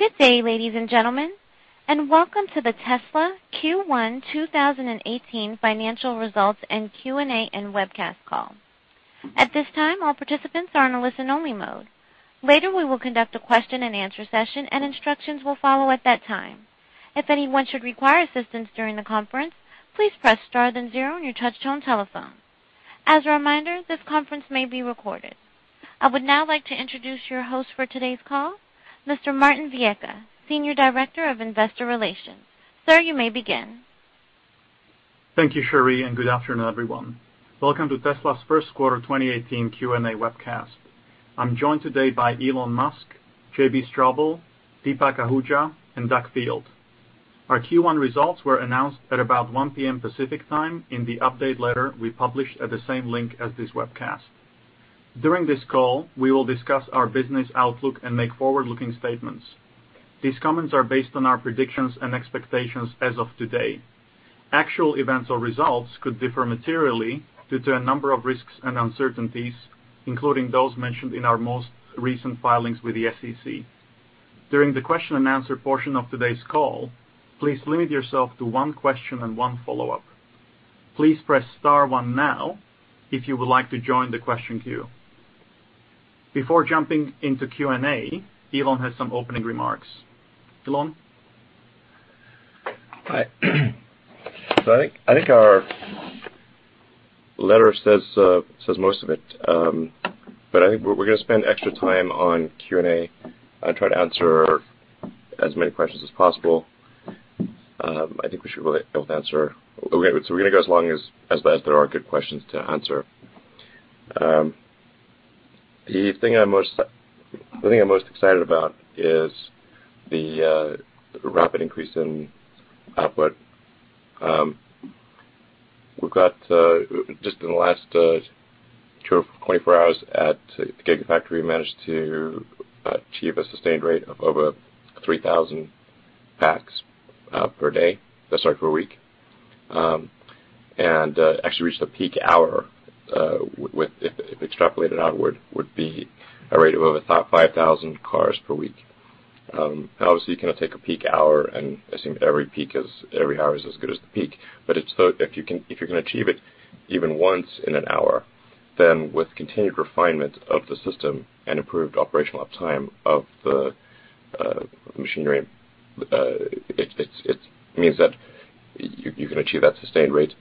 Good day, ladies and gentlemen, and welcome to the Tesla Q1 2018 Financial Results and Q&A and webcast call. At this time, all participants are in a listen-only mode. Later, we will conduct a question-and-answer session, and instructions will follow at that time. If anyone should require assistance during the conference, please press star then zero on your touchtone telephone. As a reminder, this conference may be recorded. I would now like to introduce your host for today's call, Mr. Martin Viecha, Senior Director of Investor Relations. Sir, you may begin. Thank you, Sheri, and good afternoon, everyone. Welcome to Tesla's first quarter 2018 Q&A webcast. I'm joined today by Elon Musk, JB Straubel, Deepak Ahuja, and Doug Field. Our Q1 results were announced at about 1:00 P.M. Pacific Time in the update letter we published at the same link as this webcast. During this call, we will discuss our business outlook and make forward-looking statements. These comments are based on our predictions and expectations as of today. Actual events or results could differ materially due to a number of risks and uncertainties, including those mentioned in our most recent filings with the SEC. During the question-and-answer portion of today's call, please limit yourself to one question and one follow-up. Please press star one now if you would like to join the question queue. Before jumping into Q&A, Elon has some opening remarks. Elon? Hi. I think our letter says says most of it, but I think we're gonna spend extra time on Q&A and try to answer as many questions as possible. I think we're gonna go as long as there are good questions to answer. The thing I'm most excited about is the rapid increase in output. We've got just in the last 24 hours at Gigafactory, managed to achieve a sustained rate of over 3,000 packs per day. Sorry, per week. Actually reached a peak hour with, if extrapolated outward, would be a rate of over 5,000 cars per week. Obviously you cannot take a peak hour and assume every peak is, every hour is as good as the peak. It's if you can achieve it even once in an hour, then with continued refinement of the system and improved operational uptime of the machinery, it means that you can achieve that sustained rate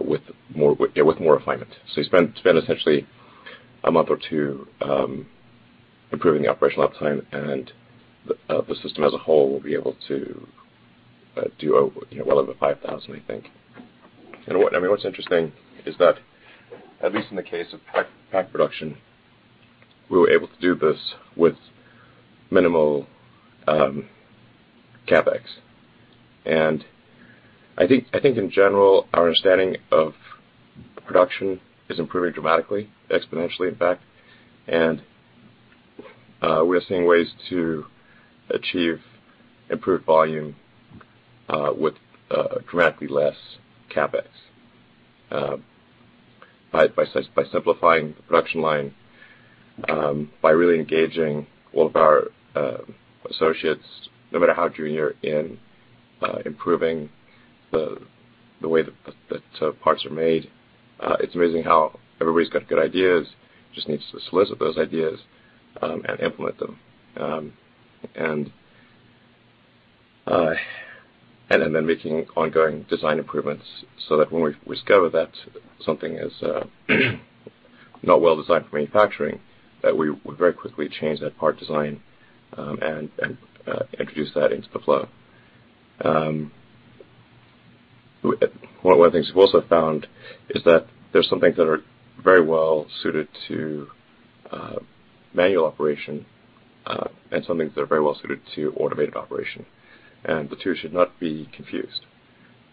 with more refinement. You spend essentially a month or two improving the operational uptime and the system as a whole will be able to do over, you know, well over 5,000, I think. What, I mean, what's interesting is that at least in the case of pack production, we were able to do this with minimal CapEx. I think in general, our understanding of production is improving dramatically, exponentially in fact. We are seeing ways to achieve improved volume with dramatically less CapEx by simplifying the production line by really engaging all of our associates, no matter how junior, in improving the way the parts are made. It's amazing how everybody's got good ideas, just need to solicit those ideas and implement them. Then making ongoing design improvements so that when we discover that something is not well-designed for manufacturing, that we very quickly change that part design and introduce that into the flow. One of the things we've also found is that there's some things that are very well suited to manual operation, and some things that are very well suited to automated operation, and the two should not be confused.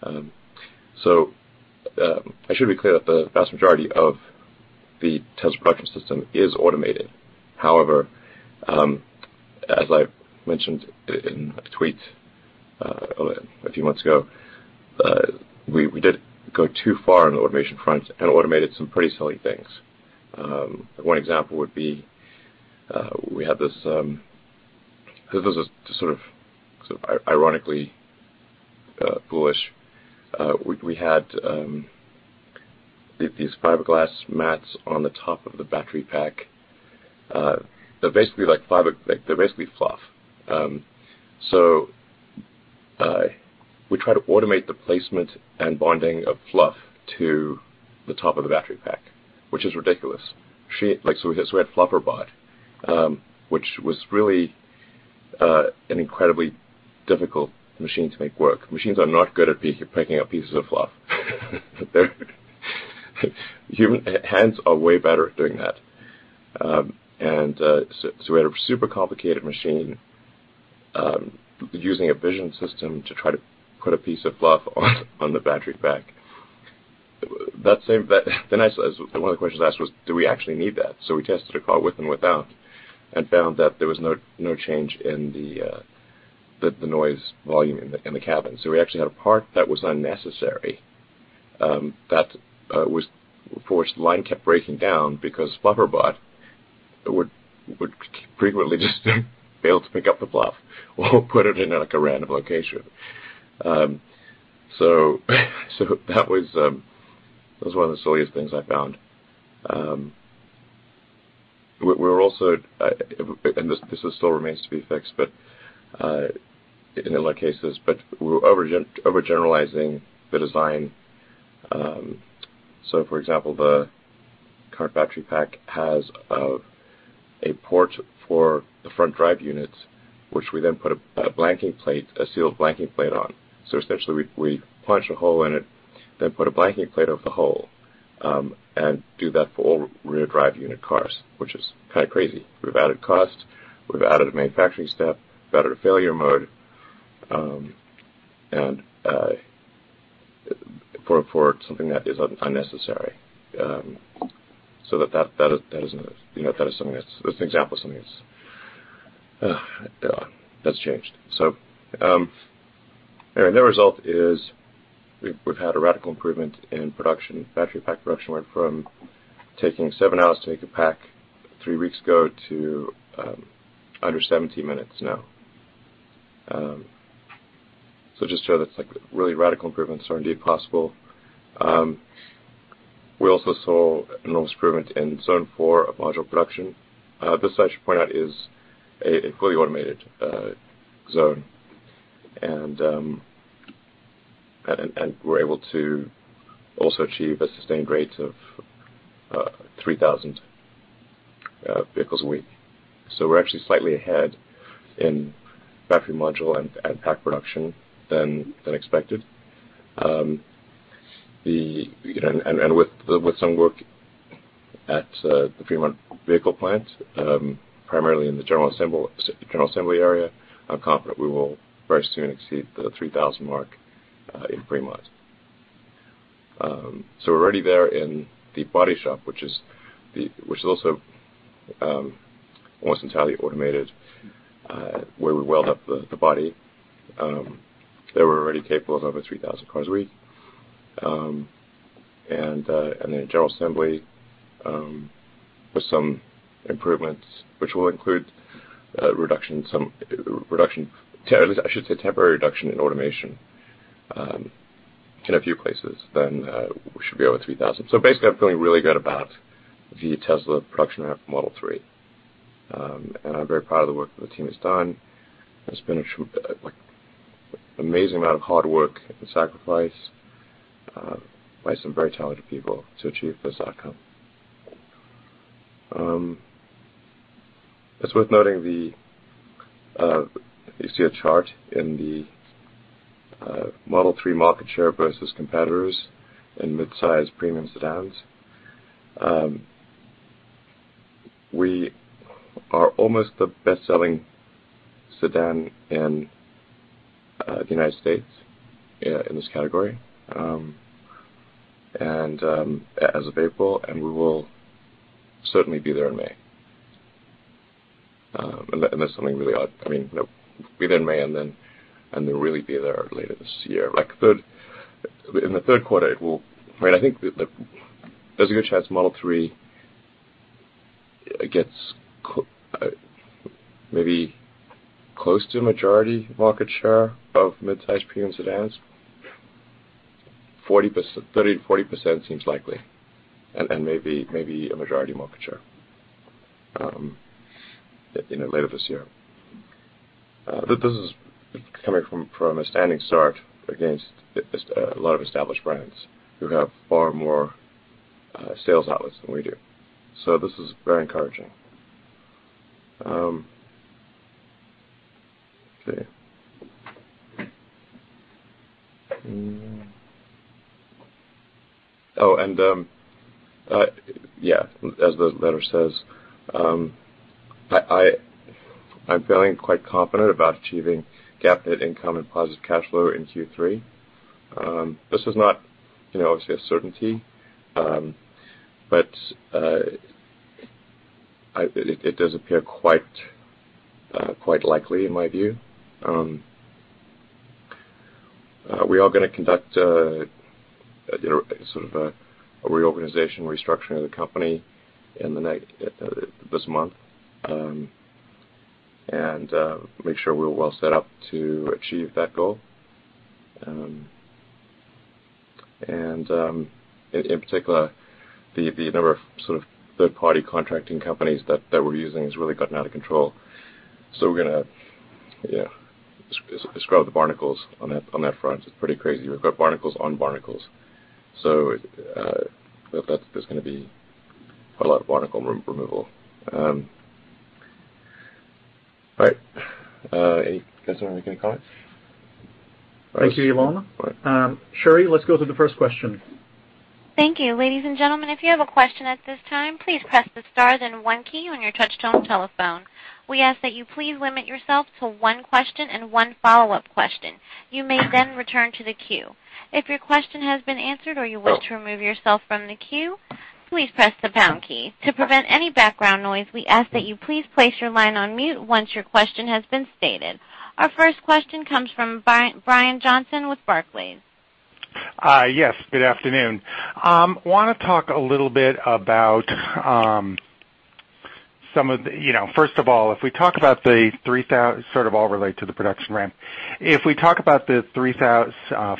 I should be clear that the vast majority of the Tesla production system is automated. However, as I mentioned in a tweet, a few months ago, we did go too far on the automation front and automated some pretty silly things. One example would be, we had this was just sort of ironically bullish. We had these fiberglass mats on the top of the battery pack. They're basically like, they're basically fluff. We try to automate the placement and bonding of fluff to the top of the battery pack, which is ridiculous. We had Flufferbot, which was really an incredibly difficult machine to make work. Machines are not good at picking up pieces of fluff. Human hands are way better at doing that. We had a super complicated machine using a vision system to try to put a piece of fluff on the battery pack. I said, one of the questions I asked was, "Do we actually need that?" We tested a car with and without and found that there was no change in the noise volume in the cabin. We actually had a part that was unnecessary. Of course, the line kept breaking down because Flufferbot would frequently just fail to pick up the fluff or put it in, like, a random location. That was one of the silliest things I found. We're also and this still remains to be fixed in a lot of cases, we're overgeneralizing the design. For example, the current battery pack has a port for the front drive units, which we then put a blanking plate, a sealed blanking plate on. Essentially, we punch a hole in it, then put a blanking plate over the hole and do that for all rear drive unit cars, which is kind of crazy. We've added cost, we've added a manufacturing step, added a failure mode, and for something that is unnecessary. That is, you know, that is something that's an example of something that's changed. Anyway, the net result is we've had a radical improvement in production. Battery pack production went from taking seven hours to make a pack three weeks ago to under 17 minutes now. Just to show that, like, really radical improvements are indeed possible. We also saw enormous improvement in Zone 4 of module production. This I should point out is a fully automated zone. We're able to also achieve a sustained rate of 3,000 vehicles a week. We're actually slightly ahead in battery module and pack production than expected. The, you know, with some work at the Fremont vehicle plant, primarily in the general assembly area, I'm confident we will very soon exceed the 3,000 mark in Fremont. We're already there in the body shop, which is also almost entirely automated, where we weld up the body. There we're already capable of over 3,000 cars a week. General assembly, with some improvements, which will include a reduction, temporary reduction in automation, in a few places, we should be over 3,000. Basically, I'm feeling really good about the Tesla production of Model 3. I'm very proud of the work that the team has done. It's been an amazing amount of hard work and sacrifice by some very talented people to achieve this outcome. It's worth noting the, you see a chart in the Model 3 market share versus competitors in midsize premium sedans. We are almost the best-selling sedan in the United States in this category, and as of April, and we will certainly be there in May. That's something really odd. I mean, be there in May and then really be there later this year. Like third, in the third quarter, it will I mean, I think there's a good chance Model 3 gets maybe close to majority market share of midsize premium sedans. 40%, 30%-40% seems likely and maybe a majority market share, in, you know, later this year. This is coming from a standing start against a lot of established brands who have far more sales outlets than we do. This is very encouraging. Let's see. Yeah, as the letter says, I'm feeling quite confident about achieving GAAP income and positive cash flow in Q3. This is not, you know, obviously a certainty, it does appear quite likely in my view. We are gonna conduct a sort of a reorganization, restructuring of the company in this month. Make sure we're well set up to achieve that goal. In particular, the number of sort of third-party contracting companies that we're using has really gotten out of control. We're gonna, yeah, scrub the barnacles on that, on that front. It's pretty crazy. We've got barnacles on barnacles. That's gonna be a lot of barnacle removal. All right. Any Guys wanna make any comments? Thank you, Elon. All right. Sherry, let's go to the first question. Thank you. Ladies and gentlemen, if you have a question at this time, please press the star then one key on your touch-tone telephone. We ask that you please limit yourself to one question and one follow-up question. You may return to the queue. If your question has been answered or you wish to remove yourself from the queue. Please press the pound key. To prevent any background noise, we ask that you please place your line on mute once your question has been stated. Our first question comes from Brian Johnson with Barclays. Yes, good afternoon. I wanna talk a little bit about some of the You know, first of all, if we talk about the sort of all relate to the production ramp. If we talk about the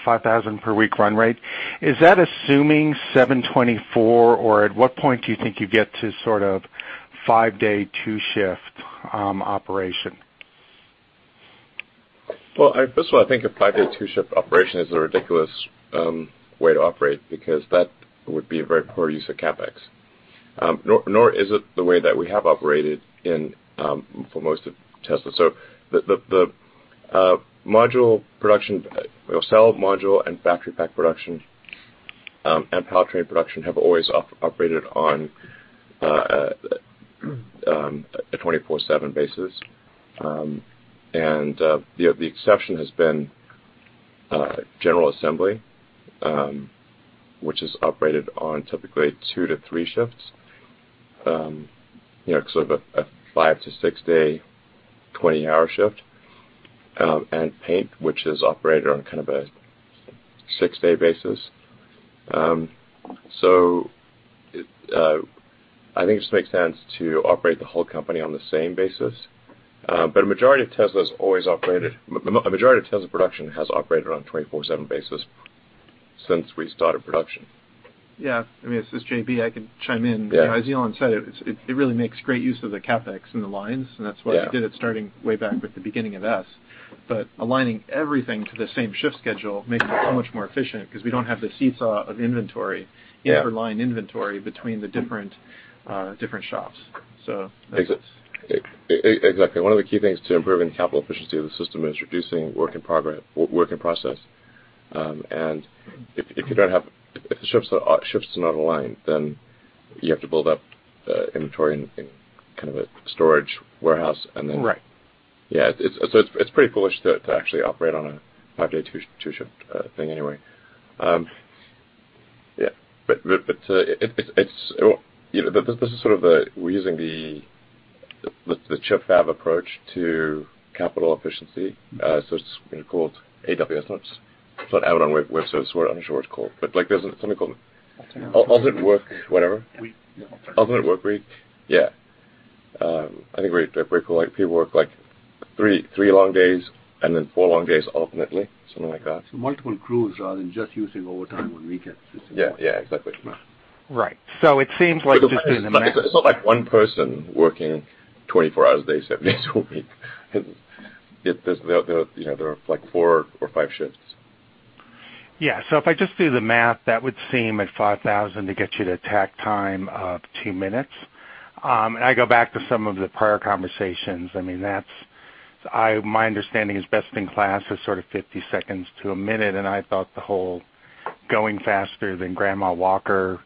5,000 per week run rate, is that assuming 7/24, or at what point do you think you get to sort of 5-day, 2-shift operation? First of all, I think a 5-day, 2-shift operation is a ridiculous way to operate because that would be a very poor use of CapEx. Nor is it the way that we have operated in for most of Tesla. The module production, you know, cell module and factory pack production and powertrain production have always operated on a 24/7 basis. The exception has been general assembly, which is operated on typically 2 to 3 shifts. You know, sort of a 5 to 6-day, 20-hour shift. Paint, which is operated on kind of a 6-day basis. I think it just makes sense to operate the whole company on the same basis. A majority of Tesla production has operated on a 24/7 basis since we started production. Yeah. I mean, this is JB. I can chime in. Yeah. You know, as Elon said, it really makes great use of the CapEx and the lines. Yeah. we did it starting way back with the beginning of S. Aligning everything to the same shift schedule makes it so much more efficient because we don't have the seesaw of inventory-. Yeah. Inter-line inventory between the different shops. Exactly. One of the key things to improving the capital efficiency of the system is reducing work in process. If the shifts are not aligned, then you have to build up inventory in kind of a storage warehouse. Right. Yeah. It's pretty foolish to actually operate on a 5-day, 2-shift thing anyway. Yeah, it's You know, this is sort of the we're using the chip fab approach to capital efficiency. It's gonna called AWS. It's not Amazon Web Services, we're unsure what it's called. Like, there's something called. Alternating. Alternate work whatever. Week. Yeah. Alternate workweek? Yeah. I think where people, like, people work, like, three long days and then four long days alternately, something like that. Multiple crews rather than just using overtime on weekends is important. Yeah. Yeah, exactly. Right. Right. It seems like just doing the math. It's not like one person working 24 hours a day, seven days a week. There are, you know, like, four or five shifts. Yeah. If I just do the math, that would seem, at 5,000, to get you to takt time of two minutes. I go back to some of the prior conversations. I mean, that's my understanding is best in class is sort of 50 seconds to 1 minute, and I thought the whole going faster than Grandma Walker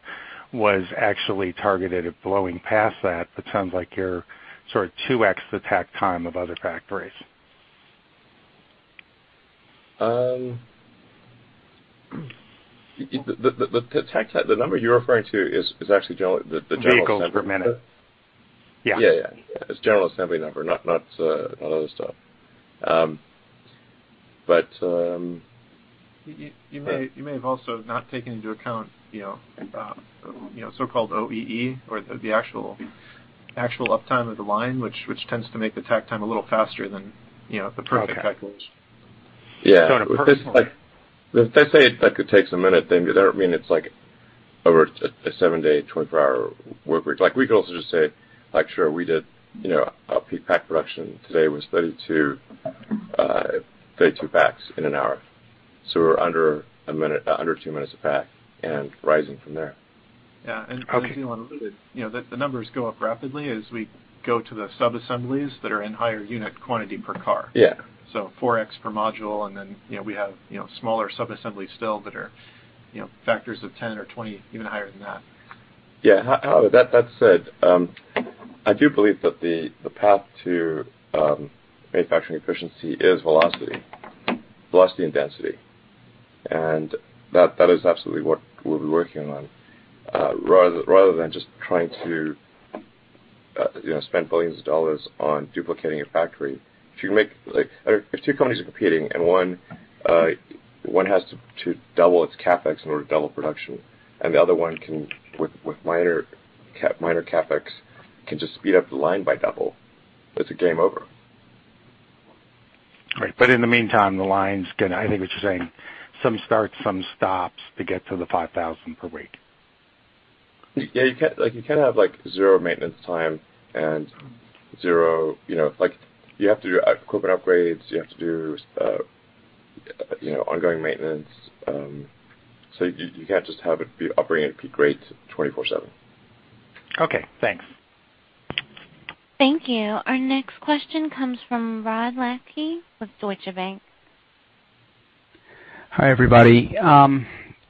was actually targeted at blowing past that. Sounds like you're sort of 2x the takt time of other factories. The number you're referring to is actually general, the general assembly. Vehicles per minute. Yeah. Yeah, yeah. It's general assembly number, not other stuff. You may have also not taken into account, you know, you know, so-called OEE or the actual uptime of the line which tends to make the takt time a little faster than, you know, the perfect takt time is. Okay. Yeah. On a personal- Like, if they say it, like, it takes a minute, then that would mean it's, like, over a 7-day, 24-hour workweek. Like, we could also just say, like, sure, we did, you know, our peak pack production today was 32 packs in an hour. We're under a minute, under two minutes a pack and rising from there. Yeah. Okay. As Elon alluded, you know, the numbers go up rapidly as we go to the sub-assemblies that are in higher unit quantity per car. Yeah. 4x per module, and then, you know, we have, you know, smaller sub-assemblies still that are, you know, factors of 10 or 20, even higher than that. Yeah. However, that said, I do believe that the path to manufacturing efficiency is velocity and density. That is absolutely what we'll be working on. Rather than just trying to, you know, spend billions of dollars on duplicating a factory, if you can make Like, if two companies are competing and one has to double its CapEx in order to double production, and the other one can, with minor CapEx, can just speed up the line by double, it's a game over. Right. In the meantime, the line's going to, I think what you're saying, some starts, some stops to get to the 5,000 per week. Yeah, you can't, like, you can't have, like, zero maintenance time and zero, you know. You have to do equipment upgrades. You have to do, you know, ongoing maintenance. You can't just have it be operating at peak rates 24/7. Okay, thanks. Thank you. Our next question comes from Rod Lache with Deutsche Bank. Hi, everybody.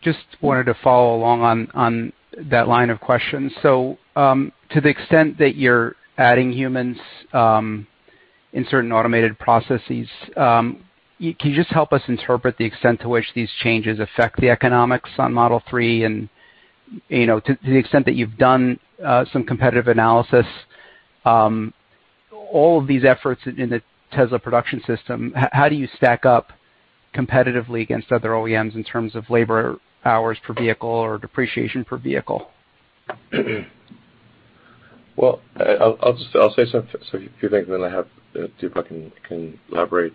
Just wanted to follow along on that line of questions. To the extent that you're adding humans in certain automated processes, can you just help us interpret the extent to which these changes affect the economics on Model 3 and, you know, to the extent that you've done some competitive analysis, all of these efforts in the Tesla production system, how do you stack up competitively against other OEMs in terms of labor hours per vehicle or depreciation per vehicle? Well, I'll say some, a few things then I have Deepak Ahuja can elaborate.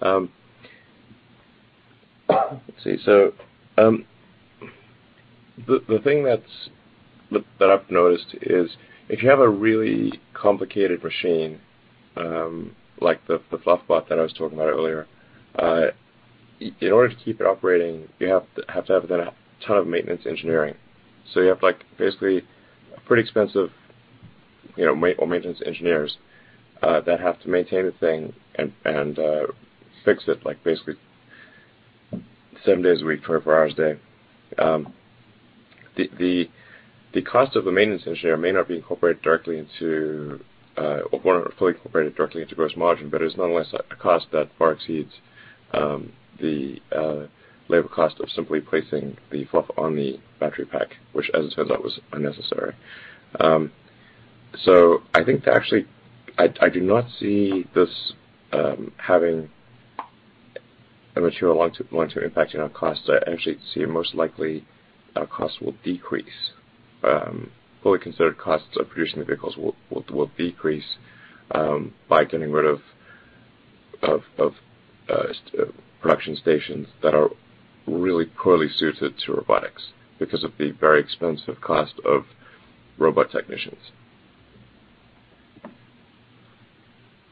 Let's see. The thing that I've noticed is if you have a really complicated machine, like the Flufferbot that I was talking about earlier, in order to keep it operating, you have to have done a ton of maintenance engineering. You have, like, basically pretty expensive, you know, maintenance engineers that have to maintain the thing and fix it, like, basically seven days a week, 24 hours a day. The cost of a maintenance engineer may not be incorporated directly into, or may not be fully incorporated directly into gross margin, but it's nonetheless a cost that far exceeds the labor cost of simply placing the fluff on the battery pack, which as it turns out, was unnecessary. I think actually I do not see this having a material long-term impact on our costs. I actually see most likely our costs will decrease. Fully considered costs of producing the vehicles will decrease by getting rid of production stations that are really poorly suited to robotics because of the very expensive cost of robot technicians.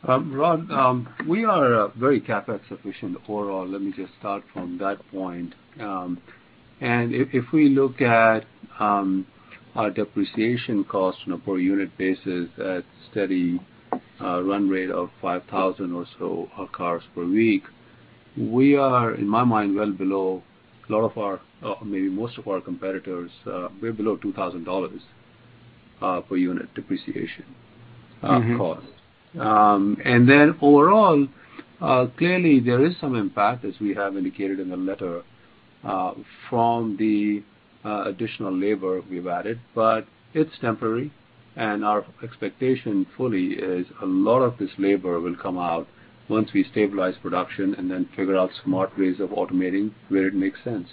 Rod, we are very CapEx efficient overall. Let me just start from that point. If we look at our depreciation cost on a per unit basis at steady run rate of 5,000 or so cars per week, we are, in my mind, well below a lot of our, maybe most of our competitors. We're below $2,000 per unit depreciation- cost. Then overall, clearly there is some impact, as we have indicated in the letter, from the additional labor we've added. It's temporary, and our expectation fully is a lot of this labor will come out once we stabilize production and then figure out smart ways of automating where it makes sense.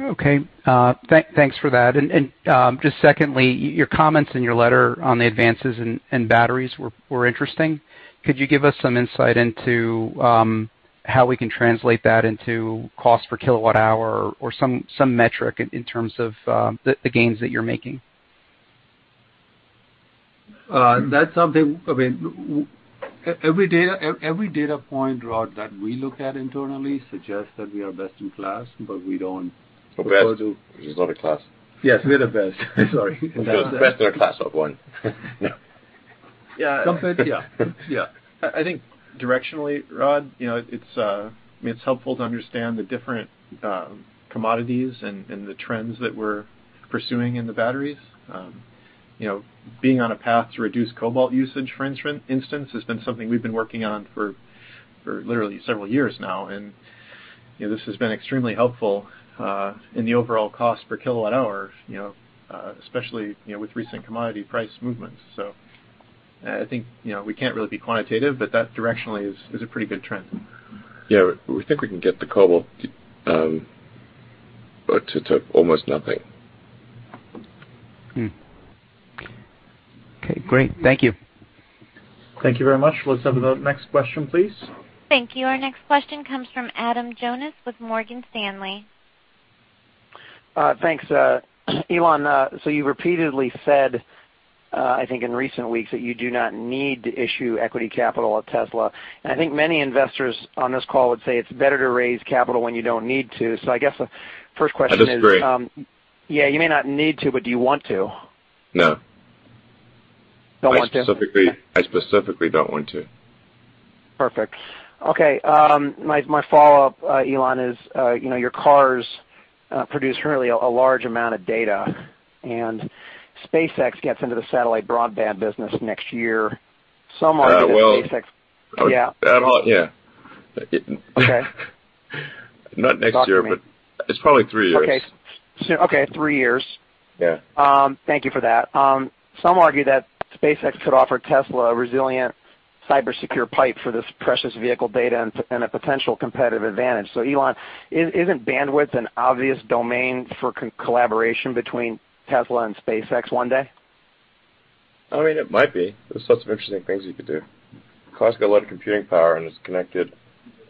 Okay. Thanks for that. Just secondly, your comments in your letter on the advances in batteries were interesting. Could you give us some insight into how we can translate that into cost per kilowatt hour or some metric in terms of the gains that you're making? That's something, I mean, every data point, Rod, that we look at internally suggests that we are best in class, but we don't- We're best. There's not a class. Yes, we're the best. Sorry. Best in a class of one. Yeah. Yeah. Yeah. I think directionally, Rod, you know, I mean, it's helpful to understand the different commodities and the trends that we're pursuing in the batteries. You know, being on a path to reduce cobalt usage, for instance, has been something we've been working on for literally several years now. You know, this has been extremely helpful in the overall cost per kilowatt hour, you know, especially, you know, with recent commodity price movements. I think, you know, we can't really be quantitative, but that directionally is a pretty good trend. Yeah. We think we can get the cobalt, to almost nothing. Okay, great. Thank you. Thank you very much. Let's have the next question, please. Thank you. Our next question comes from Adam Jonas with Morgan Stanley. Thanks, Elon, you repeatedly said, I think in recent weeks, that you do not need to issue equity capital at Tesla. I think many investors on this call would say it's better to raise capital when you don't need to. I guess the first question is. I disagree. You may not need to, but do you want to? No. Don't want to. I specifically don't want to. Perfect. Okay. My follow-up, Elon, is, you know, your cars produce currently a large amount of data, and SpaceX gets into the satellite broadband business next year. Some argue that SpaceX- Uh, well- Yeah. At all, yeah. Okay. Not next year. Talk to me. It's probably three years. Okay. Okay, three years. Yeah. Thank you for that. Some argue that SpaceX could offer Tesla a resilient cyber secure pipe for this precious vehicle data and a potential competitive advantage. Elon, isn't bandwidth an obvious domain for collaboration between Tesla and SpaceX one day? I mean, it might be. There's lots of interesting things you could do. Car's got a lot of computing power, and it's connected,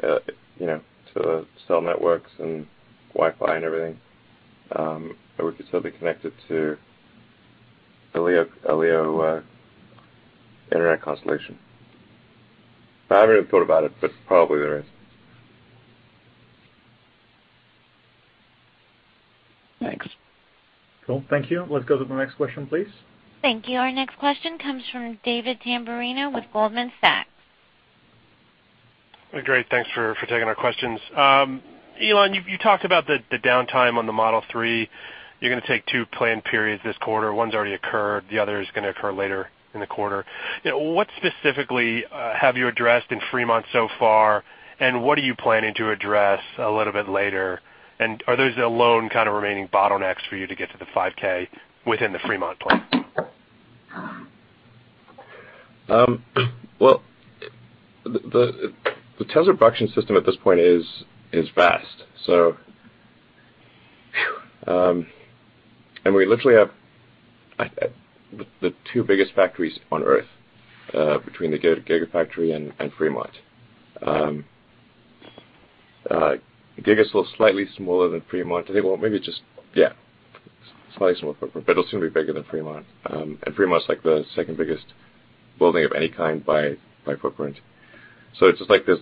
you know, to the cell networks and Wi-Fi and everything. We could still be connected to a LEO internet constellation. I haven't really thought about it, but probably there is. Thanks. Cool. Thank you. Let's go to the next question, please. Thank you. Our next question comes from David Tamberrino with Goldman Sachs. Great. Thanks for taking our questions. Elon, you talked about the downtime on the Model 3. You're gonna take two planned periods this quarter. One's already occurred, the other is gonna occur later in the quarter. You know, what specifically have you addressed in Fremont so far, and what are you planning to address a little bit later? Are those the lone kind of remaining bottlenecks for you to get to the 5K within the Fremont plant? Well, the Tesla production system at this point is vast. We literally have the two biggest factories on Earth between the Gigafactory and Fremont. Giga's still slightly smaller than Fremont. I think, well, maybe just, yeah, slightly smaller, but it'll soon be bigger than Fremont. Fremont's, like, the second biggest building of any kind by footprint. It's just like this,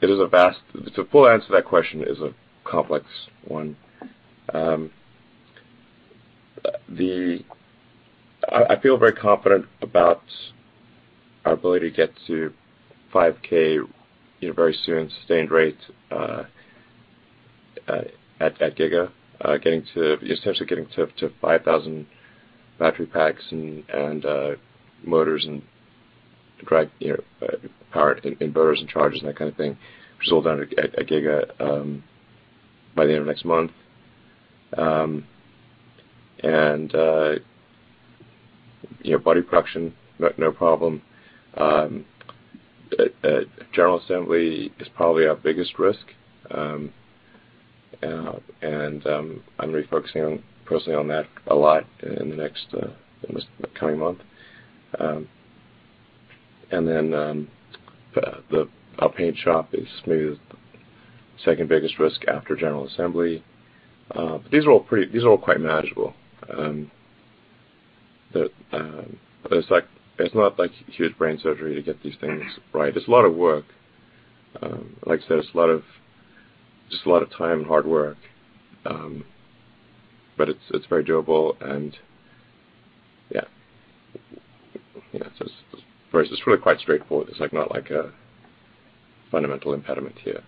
it is a vast to full answer that question is a complex one. I feel very confident about our ability to get to 5K, you know, very soon, sustained rate at Giga. Getting to, essentially getting to 5,000 battery packs and motors, you know, power inverters and chargers and that kind of thing, which is all done at Giga by the end of next month. You know, body production, no problem. General assembly is probably our biggest risk. I'm really focusing on, personally on that a lot in the next in this coming month. Our paint shop is smooth. Second biggest risk after general assembly. These are all pretty, quite manageable. It's like, it's not like huge brain surgery to get these things right. It's a lot of work. Like I said, it's a lot of, just a lot of time and hard work. It's very doable and, yeah. You know, whereas it's really quite straightforward. It's, like, not a fundamental impediment here.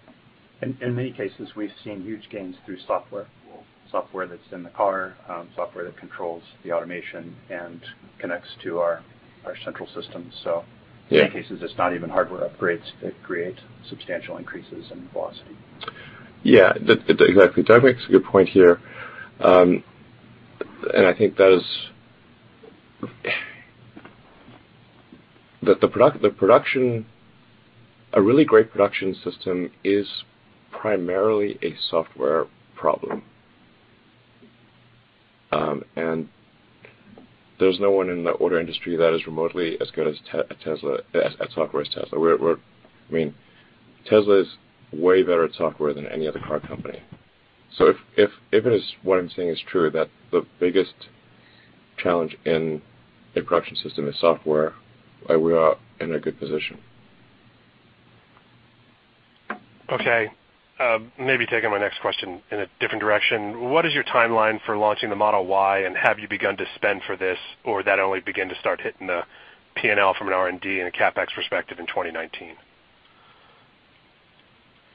In many cases, we've seen huge gains through software that's in the car, software that controls the automation and connects to our central system. Yeah. In many cases, it's not even hardware upgrades that create substantial increases in velocity. Yeah. Exactly. Doug makes a good point here. I think that is the production, a really great production system is primarily a software problem. There's no one in the auto industry that is remotely as good as Tesla at software as Tesla. I mean, Tesla is way better at software than any other car company. If it is what I'm saying is true, that the biggest challenge in a production system is software, we are in a good position. Okay. Maybe taking my next question in a different direction. What is your timeline for launching the Model Y, and have you begun to spend for this, or that only begin to start hitting the P&L from an R&D and a CapEx perspective in 2019?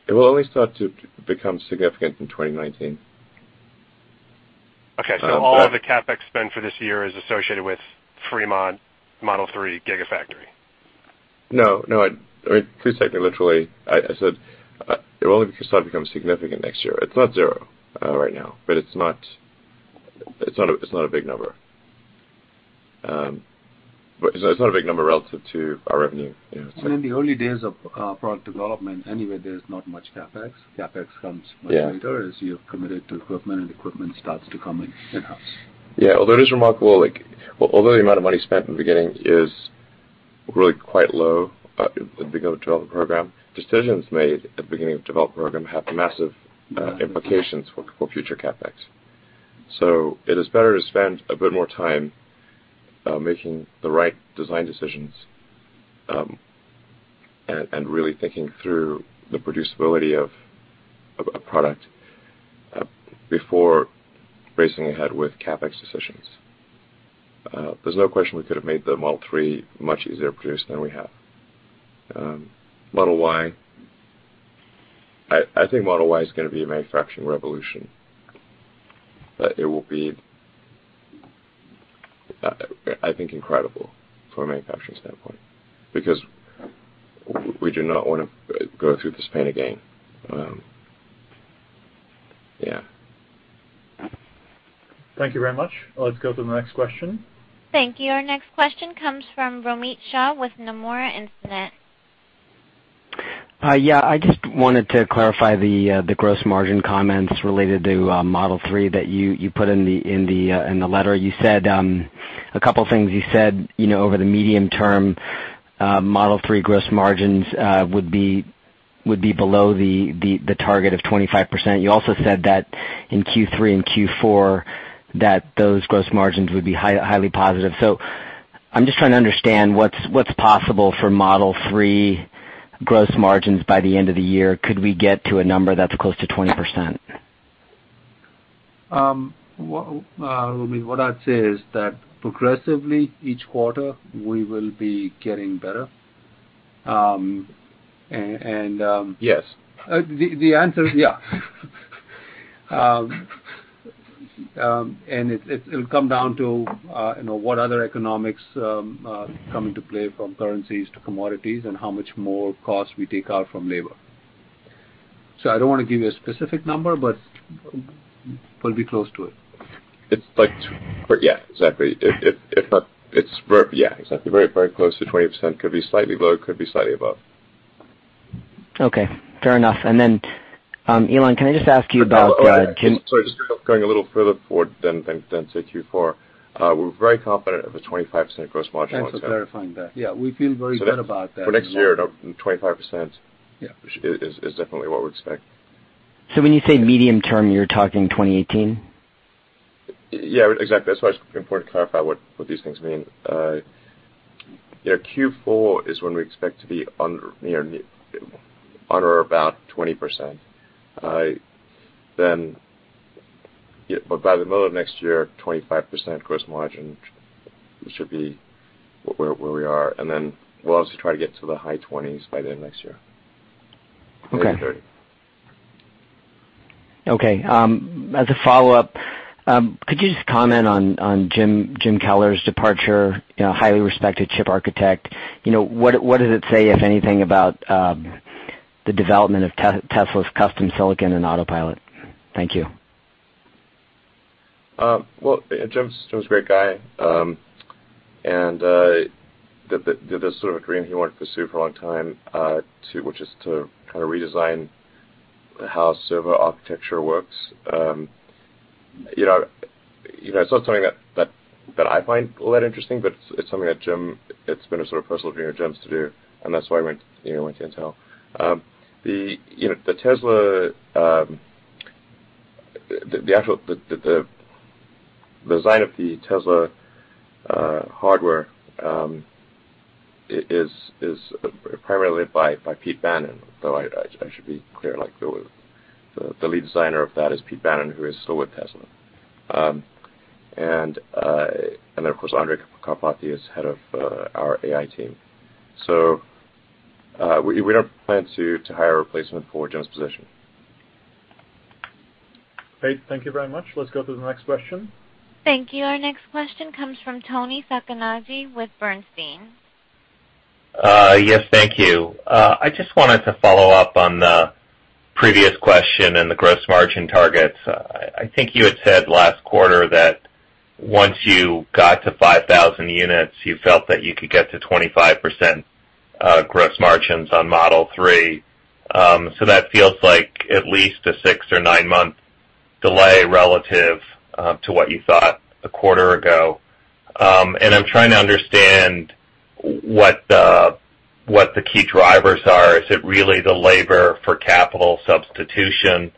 It will only start to become significant in 2019. Okay. All of the CapEx spend for this year is associated with Fremont Model 3 Gigafactory? No, no. Wait, please take me literally. I said, it will only start to become significant next year. It's not zero, right now, but it's not a big number. It's not a big number relative to our revenue. Yeah, it's like- In the early days of product development, anyway, there's not much CapEx. Yeah. Later as you're committed to equipment and equipment starts to come in-house. It is remarkable, like, although the amount of money spent in the beginning is really quite low, at the beginning of a development program, decisions made at the beginning of development program have massive implications for future CapEx. It is better to spend a bit more time making the right design decisions and really thinking through the producibility of a product before racing ahead with CapEx decisions. There's no question we could have made the Model 3 much easier to produce than we have. Model Y, I think Model Y is gonna be a manufacturing revolution, that it will be, I think incredible from a manufacturing standpoint because we do not wanna go through this pain again. Yeah. Thank you very much. Let's go to the next question. Thank you. Our next question comes from Romit Shah with Nomura Instinet. Yeah. I just wanted to clarify the gross margin comments related to Model 3 that you put in the letter. You said a couple things. You said, you know, over the medium-term, Model 3 gross margins would be below the target of 25%. You also said that in Q3 and Q4, that those gross margins would be highly positive. I'm just trying to understand what's possible for Model 3 gross margins by the end of the year. Could we get to a number that's close to 20%? I mean, what I'd say is that progressively each quarter we will be getting better. Yes. The answer is yeah. It'll come down to, you know, what other economics come into play from currencies to commodities and how much more cost we take out from labor. I don't wanna give you a specific number, but we'll be close to it. It's like, yeah, exactly. If not, it's, yeah, exactly. Very close to 20%. Could be slightly below, could be slightly above. Okay, fair enough. Elon, can I just ask you about? Oh, yeah. Sorry, just going a little further forward than to Q4. We're very confident of a 25% gross margin long-term. Thanks for clarifying that. Yeah, we feel very good about that as well. For next year, 25% Yeah. Is definitely what we expect. When you say medium-term, you're talking 2018? Yeah, exactly. That's why it's important to clarify what these things mean. You know, Q4 is when we expect to be under or about 20%. By the middle of next year, 25% gross margin should be where we are. We'll obviously try to get to the high 20s by the end of next year. Okay. Maybe 30. Okay. As a follow-up, could you just comment on Jim Keller's departure, you know, highly respected chip architect. You know, what does it say, if anything, about the development of Tesla's custom silicon and Autopilot? Thank you. Well, Jim's a great guy. This is sort of a dream he wanted to pursue for a long time, which is to kinda redesign how server architecture works. You know, it's not something that I find all that interesting, but it's something that Jim, it's been a sort of personal dream of Jim's to do, and that's why he went to Intel. You know, the Tesla, the actual design of the Tesla hardware, is primarily by Pete Bannon, though I should be clear, like the lead designer of that is Pete Bannon, who is still with Tesla. Then of course, Andrej Karpathy is head of our AI team. We don't plan to hire a replacement for Jim's position. Great. Thank you very much. Let's go to the next question. Thank you. Our next question comes from Toni Sacconaghi with Bernstein. Yes, thank you. I just wanted to follow up on the previous question and the gross margin targets. I think you had said last quarter that once you got to 5,000 units, you felt that you could get to 25% gross margins on Model 3. That feels like at least a six or nine-month delay relative to what you thought a quarter ago. I'm trying to understand what the key drivers are. Is it really the labor for capital substitution?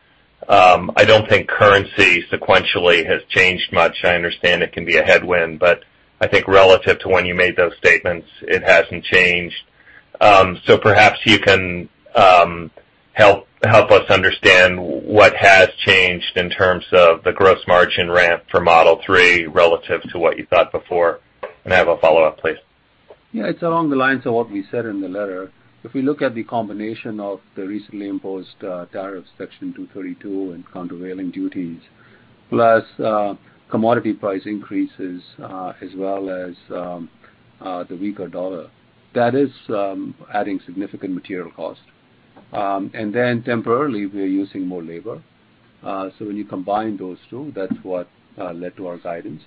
I don't think currency sequentially has changed much. I understand it can be a headwind, but I think relative to when you made those statements, it hasn't changed. Perhaps you can help us understand what has changed in terms of the gross margin ramp for Model 3 relative to what you thought before. I have a follow-up, please. Yeah, it's along the lines of what we said in the letter. If we look at the combination of the recently imposed, tariff Section 232 and countervailing duties, plus, commodity price increases, as well as, the weaker dollar, that is, adding significant material cost. And then temporarily, we are using more labor. When you combine those two, that's what, led to our guidance.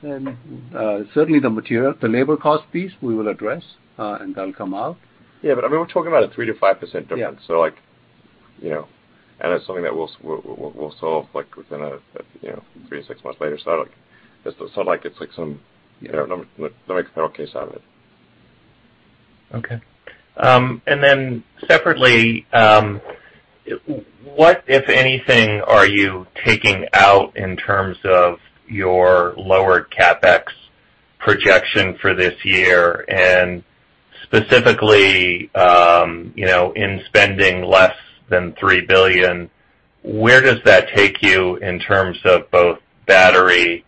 Certainly the material, the labor cost piece we will address, and that'll come out. Yeah, I mean, we're talking about a 3%-5% difference. Yeah. Like, you know. It's something that we'll solve like within a, you know, 3-6 months later. Like, it's not like it's like some, you know, let me make a federal case out of it. Okay. Then separately, what, if anything, are you taking out in terms of your lowered CapEx projection for this year? Specifically, you know, in spending less than $3 billion, where does that take you in terms of both battery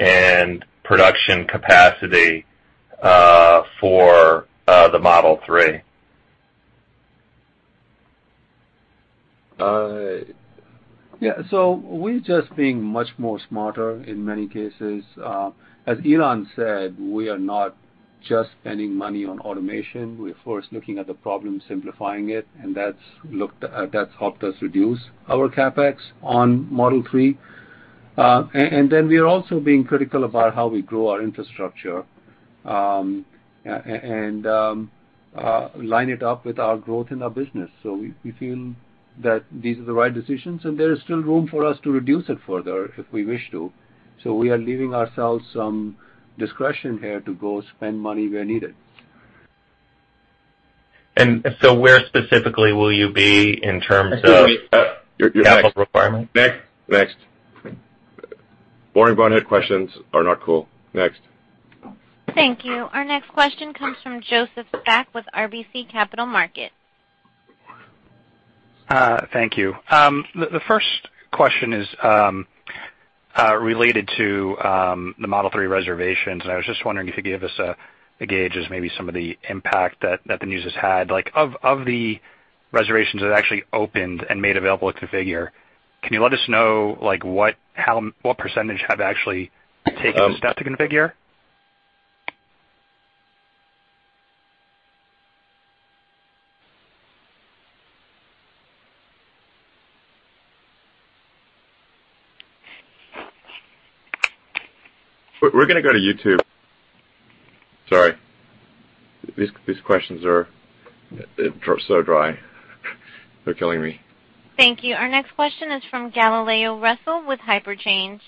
and production capacity for the Model 3? Yeah. We're just being much more smarter in many cases. As Elon said, we are not just spending money on automation. We're first looking at the problem, simplifying it, and that's helped us reduce our CapEx on Model 3. And then we are also being critical about how we grow our infrastructure, and line it up with our growth in our business. We feel that these are the right decisions, and there is still room for us to reduce it further if we wish to. We are leaving ourselves some discretion here to go spend money where needed. Where specifically will you be in terms of. Excuse me. You're next Capital requirements? Next. Next. Boring bonehead questions are not cool. Next. Thank you. Our next question comes from Joseph Spak with RBC Capital Markets. Thank you. The first question is related to the Model 3 reservations, and I was just wondering if you could give us a gauge as maybe some of the impact that the news has had. Like, of the reservations that actually opened and made available at Configure, can you let us know, like, what percentage have actually taken this step to configure? We're gonna go to you too. Sorry. These questions are so dry they're killing me. Thank you. Our next question is from Galileo Russell with HyperChange.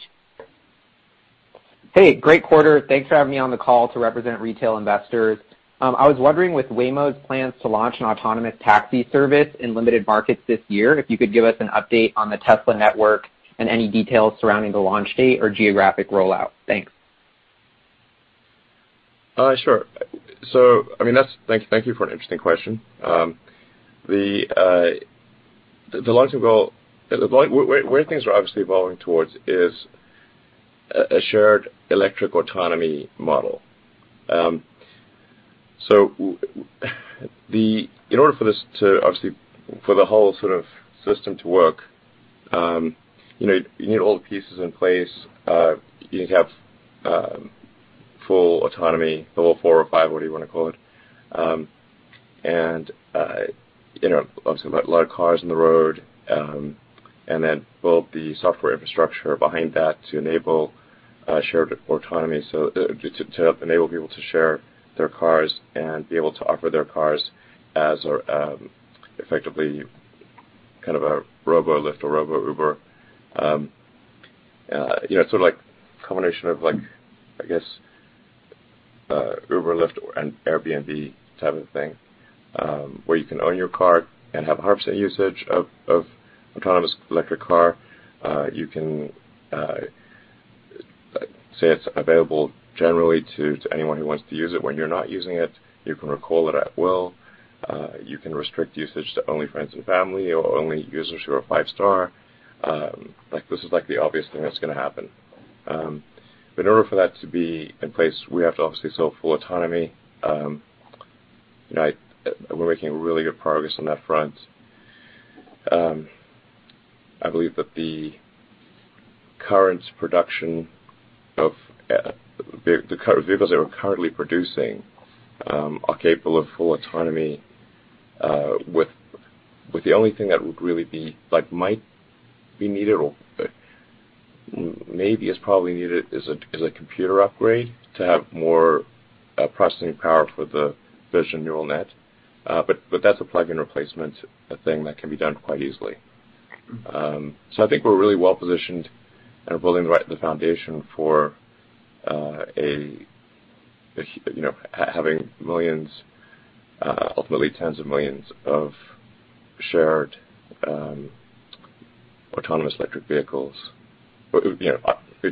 Hey, great quarter. Thanks for having me on the call to represent retail investors. I was wondering, with Waymo's plans to launch an autonomous taxi service in limited markets this year, if you could give us an update on the Tesla Network and any details surrounding the launch date or geographic rollout. Thanks. Sure. I mean, thank you for an interesting question. The long-term goal Where things are obviously evolving towards is a shared electric autonomy model. In order for this to obviously for the whole sort of system to work, you know, you need all the pieces in place. You need to have full autonomy, level 4 or 5, whatever you wanna call it. You know, obviously a lot of cars on the road, and then build the software infrastructure behind that to enable shared autonomy, so to enable people to share their cars and be able to offer their cars as effectively kind of a robo-Lyft or robo-Uber. You know, sort of like combination of like, I guess, Uber, Lyft, and Airbnb type of thing, where you can own your car and have a 100% usage of autonomous electric car. You can say it's available generally to anyone who wants to use it when you're not using it. You can recall it at will. You can restrict usage to only friends and family or only users who are 5-star. Like, this is like the obvious thing that's gonna happen. In order for that to be in place, we have to obviously solve full autonomy. You know, we're making really good progress on that front. I believe that the current production of the vehicles that we're currently producing are capable of full autonomy with the only thing that would really be like, might be needed or maybe is probably needed is a computer upgrade to have more processing power for the vision neural net. That's a plug-in replacement, a thing that can be done quite easily. I think we're really well-positioned and building the foundation for, you know, having millions, ultimately tens of millions of shared, autonomous electric vehicles. You know,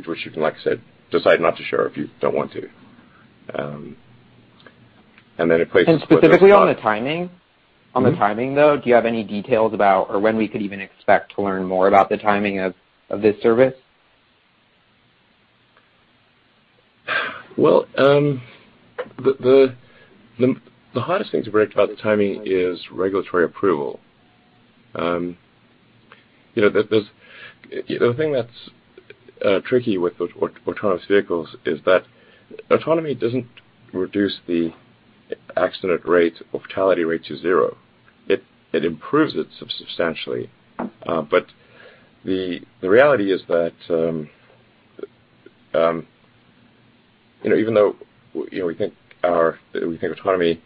which you can, like I said, decide not to share if you don't want to. Specifically on the timing. On the timing, though, do you have any details about or when we could even expect to learn more about the timing of this service? Well, the hardest thing to predict about the timing is regulatory approval. You know, there's the thing that's tricky with autonomous vehicles is that autonomy doesn't reduce the accident rate or fatality rate to zero. It improves it substantially. The reality is that, you know, even though, you know, we think autonomy,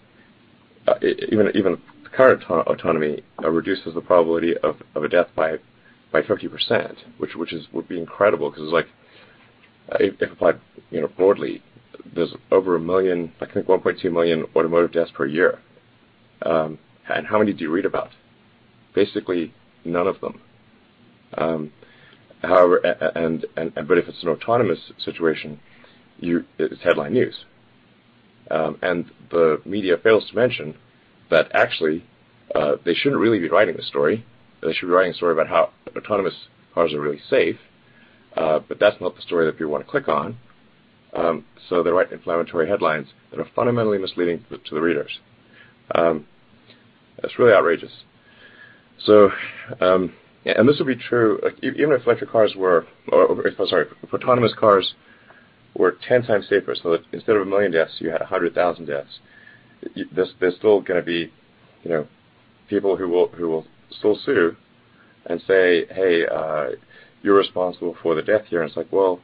even current autonomy reduces the probability of a death by 50%, which would be incredible 'cause it's like if applied, you know, broadly there's over a million, I think 1.2 million automotive deaths per year. How many do you read about? Basically none of them. However, and if it's an autonomous situation, it's headline news. The media fails to mention that actually, they shouldn't really be writing the story. They should be writing a story about how autonomous cars are really safe. That's not the story that people wanna click on. They write inflammatory headlines that are fundamentally misleading to the readers. That's really outrageous. This will be true even if electric cars were, if autonomous cars were 10x safer, so instead of 1 million deaths, you had 100,000 deaths, there's still gonna be, you know, people who will still sue and say, "Hey, you're responsible for the death here." It's like, well,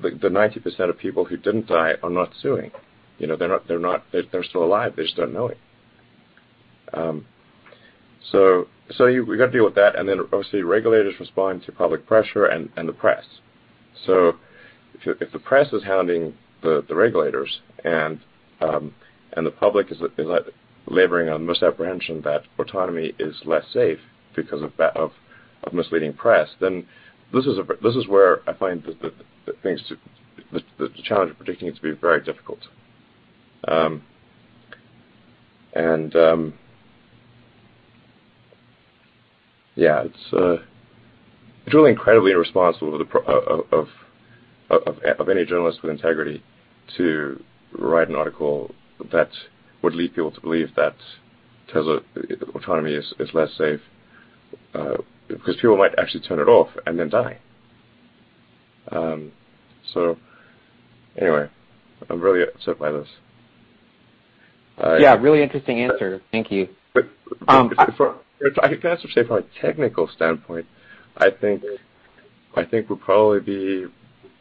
the 90% of people who didn't die are not suing. You know, they're still alive. They just don't know it. So you gotta deal with that. Obviously regulators respond to public pressure and the press. If the press is hounding the regulators and the public is laboring on misapprehension that autonomy is less safe because of that misleading press, then this is where I find the things to the challenge of predicting it to be very difficult. And yeah, it's really incredibly irresponsible of any journalist with integrity to write an article that would lead people to believe that Tesla autonomy is less safe because people might actually turn it off and then die. Anyway, I'm really upset by this. Yeah, really interesting answer. Thank you. If I could kinda say from a technical standpoint, I think we'll probably be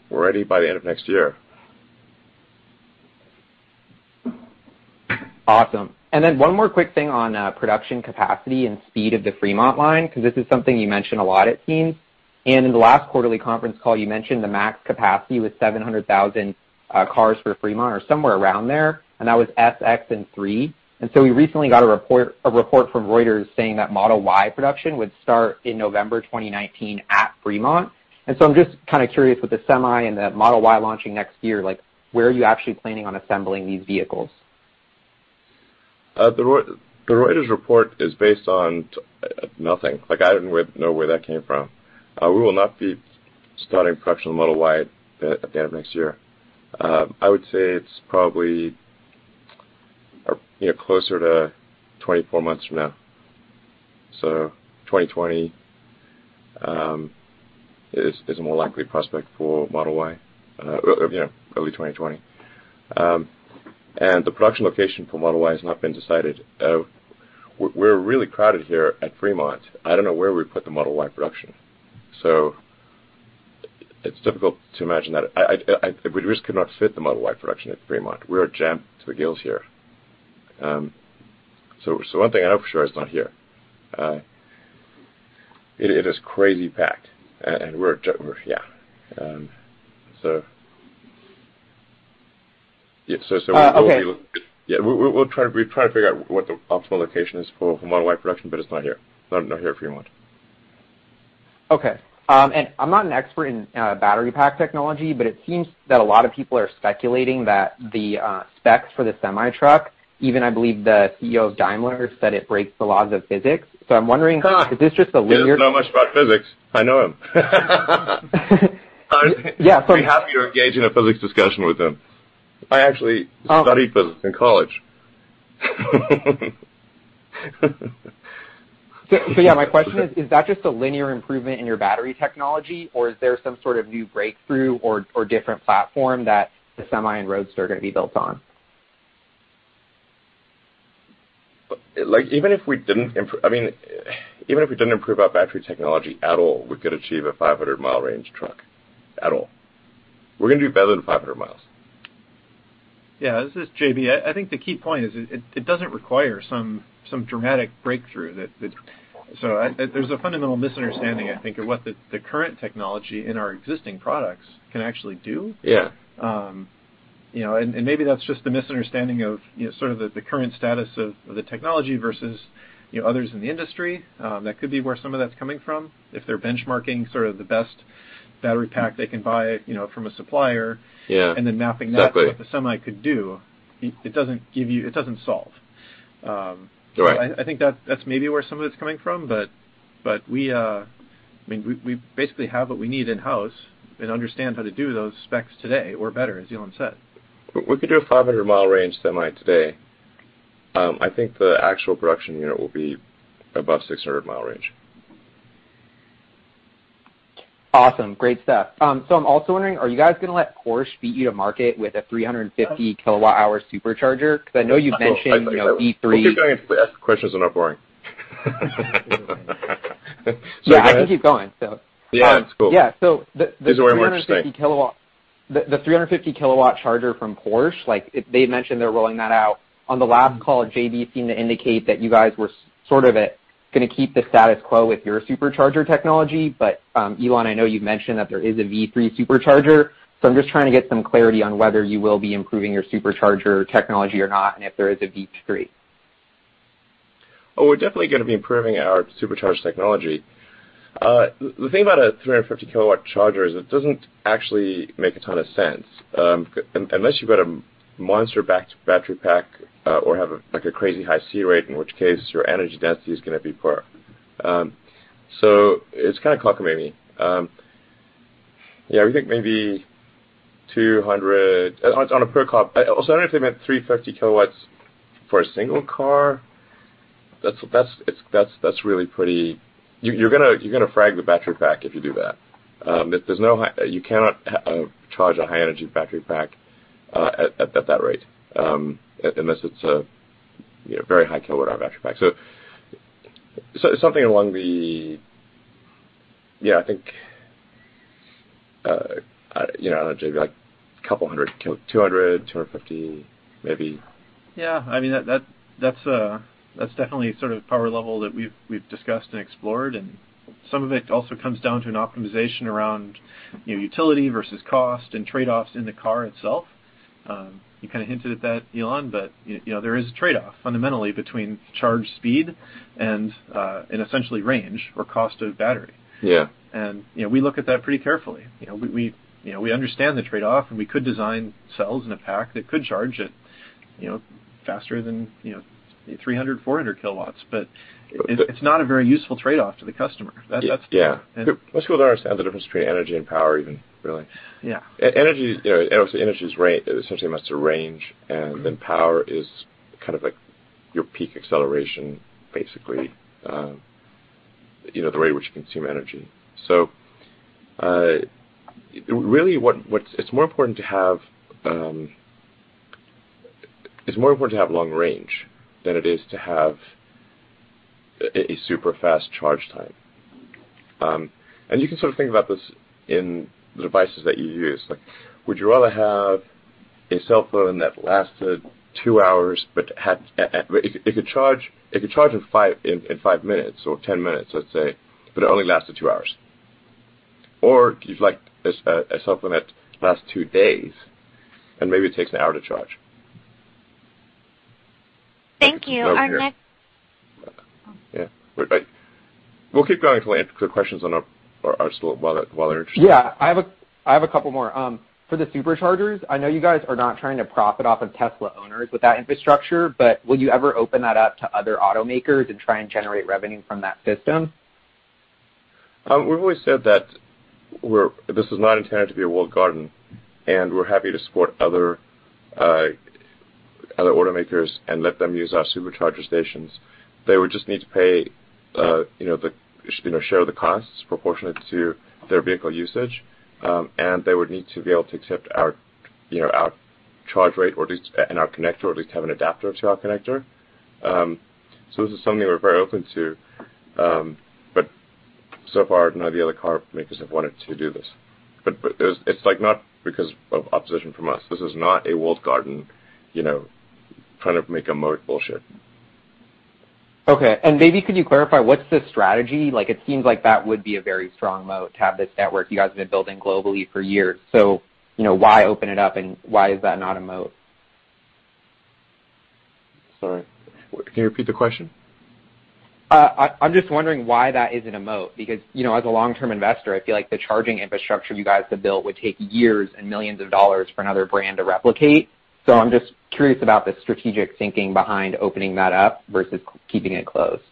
ready by the end of next year. Awesome. One more quick thing on production capacity and speed of the Fremont line, ’cause this is something you mention a lot it seems. In the last quarterly conference call, you mentioned the max capacity was 700,000 cars for Fremont or somewhere around there, and that was S, X, and three. We recently got a report, a report from Reuters saying that Model Y production would start in November 2019 at Fremont. I'm just kinda curious with the Semi and the Model Y launching next year, like, where are you actually planning on assembling these vehicles? The Reuters report is based on nothing. Like, I don't even know where that came from. We will not be starting production of Model Y at the end of next year. I would say it's probably or, you know, closer to 24 months from now. 2020 is a more likely prospect for Model Y. You know, early 2020. The production location for Model Y has not been decided. We're really crowded here at Fremont. I don't know where we'd put the Model Y production. It's difficult to imagine that. We just could not fit the Model Y production at Fremont. We are jammed to the gills here. One thing I know for sure, it's not here. It is crazy packed and we're, yeah. Yeah, so. okay. Yeah, we'll try to figure out what the optimal location is for Model Y production, but it's not here. Not here at Fremont. Okay. I'm not an expert in battery pack technology, but it seems that a lot of people are speculating that the specs for the Semi truck, even I believe the CEO of Daimler said it breaks the laws of physics. Ha. Is this just a linear-? He doesn't know much about physics. I know him. Yeah, so- I'd be happy to engage in a physics discussion with him. Um- Studied physics in college. Yeah, my question is that just a linear improvement in your battery technology, or is there some sort of new breakthrough or different platform that the Semi and Roadster are gonna be built on? Like, I mean, even if we didn't improve our battery technology at all, we could achieve a 500-mile range truck. At all. We're gonna do better than 500 miles. Yeah, this is JB. I think the key point is it doesn't require some dramatic breakthrough that. There's a fundamental misunderstanding, I think, of what the current technology in our existing products can actually do. Yeah. You know, maybe that's just the misunderstanding of, you know, sort of the current status of the technology versus, you know, others in the industry. That could be where some of that's coming from. If they're benchmarking sort of the best battery pack they can buy, you know, from a supplier- Yeah. And then mapping that- Exactly. To what the Semi could do, it doesn't solve. Right. I think that's maybe where some of it's coming from. We, I mean, we basically have what we need in-house and understand how to do those specs today or better, as Elon said. We could do a 500-mile range Semi today. I think the actual production unit will be above 600-mile range. Awesome. Great stuff. I'm also wondering, are you guys gonna let Porsche beat you to market with a 350 kWh Supercharger? 'Cause I know you've mentioned, you know, We'll keep going if the questions are not boring. Yeah, I can keep going. Yeah, it's cool. Yeah. These are very interesting. 350 kW the 350 kW charger from Porsche, they had mentioned they're rolling that out. On the last call, JB seemed to indicate that you guys were gonna keep the status quo with your Supercharger technology. Elon, I know you've mentioned that there is a V3 Supercharger. I'm just trying to get some clarity on whether you will be improving your Supercharger technology or not, and if there is a V3. We're definitely gonna be improving our Supercharger technology. The thing about a 350 kW charger is it doesn't actually make a ton of sense. Unless you've got a monster battery pack, or have a like a crazy high C-rate, in which case your energy density is gonna be poor. It's kinda cockamamie. Yeah, we think maybe 200 kW on a per car. I don't know if they meant 350 kW for a single car. You're gonna frag the battery pack if you do that. There's no You cannot charge a high energy battery pack at that rate, unless it's a, you know, very high kWh battery pack. Something along the, yeah, I think, you know, maybe like 200 kW, 250 kW maybe. Yeah, I mean, that's definitely a sort of power level that we've discussed and explored. Some of it also comes down to an optimization around, you know, utility versus cost and trade-offs in the car itself. You kinda hinted at that, Elon, but, you know, there is a trade-off fundamentally between charge speed and essentially range or cost of battery. Yeah. You know, we look at that pretty carefully. You know, we understand the trade-off and we could design cells in a pack that could charge at, you know, faster than, you know, 300, 400 kW, it's not a very useful trade-off to the customer. Yeah. Most people don't understand the difference between energy and power even, really. Yeah. Energy, you know, obviously, energy essentially amounts to range, and then power is kind of like your peak acceleration, basically. You know, the rate at which you consume energy. Really what it's more important to have, it's more important to have long range than it is to have a super fast charge time. You can sort of think about this in the devices that you use. Like, would you rather have a cell phone that lasted two hours but had, it could charge in five minutes or 10 minutes, let's say, but it only lasted two hours? Or would you like a cell phone that lasts two days and maybe it takes one hour to charge? Thank you. Our next- Yeah. We'll keep going until I answer the questions on our slate while they're interesting. Yeah. I have a couple more. For the Superchargers, I know you guys are not trying to profit off of Tesla owners with that infrastructure, but would you ever open that up to other automakers and try and generate revenue from that system? We've always said that this is not intended to be a walled garden, and we're happy to support other carmakers and let them use our Supercharger stations. They would just need to pay, you know, the, you know, share the costs proportionate to their vehicle usage, and they would need to be able to accept our, you know, our charge rate or at least and our connector or at least have an adapter to our connector. This is something we're very open to, but so far none of the other carmakers have wanted to do this. It's like not because of opposition from us. This is not a walled garden, you know, kind of make a moat bullshit. Okay. Maybe could you clarify what's the strategy? Like it seems like that would be a very strong moat to have this network you guys have been building globally for years. You know, why open it up and why is that not a moat? Sorry. Can you repeat the question? I'm just wondering why that isn't a moat because, you know, as a long-term investor, I feel like the charging infrastructure you guys have built would take years and millions of dollars for another brand to replicate. I'm just curious about the strategic thinking behind opening that up versus keeping it closed.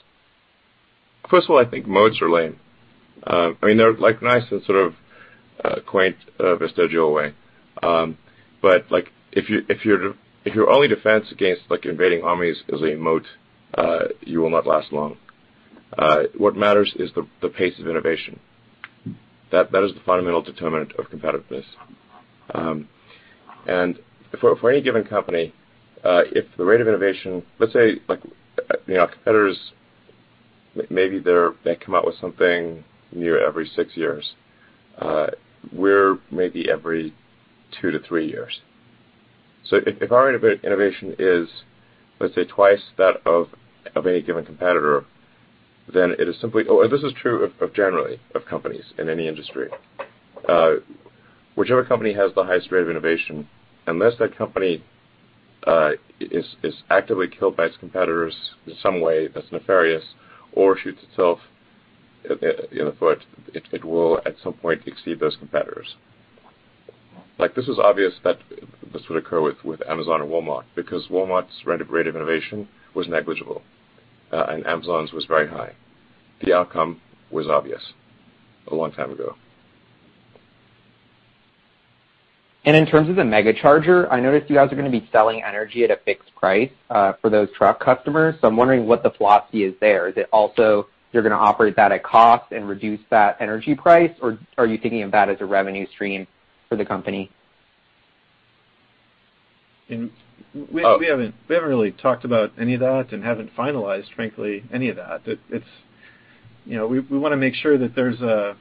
First of all, I think moats are lame. I mean, they're like nice in sort of a quaint, vestigial way. Like if your only defense against like invading armies is a moat, you will not last long. What matters is the pace of innovation. That is the fundamental determinant of competitiveness. For any given company, if the rate of innovation, let's say like, you know, competitors, maybe they come out with something new every six years, we're maybe every 2-3 years. If our innovation is, let's say, twice that of any given competitor, then it is simply Oh, this is true of generally, of companies in any industry. Whichever company has the highest rate of innovation, unless that company is actively killed by its competitors in some way that's nefarious or shoots itself in the foot, it will at some point exceed those competitors. This was obvious that this would occur with Amazon and Walmart because Walmart's rate of innovation was negligible, and Amazon's was very high. The outcome was obvious a long time ago. In terms of the Megacharger, I noticed you guys are going to be selling energy at a fixed price for those truck customers. I'm wondering what the philosophy is there. Is it also you're going to operate that at cost and reduce that energy price or are you thinking of that as a revenue stream for the company? We haven't really talked about any of that and haven't finalized, frankly, any of that. It's You know, we wanna make sure that there's a,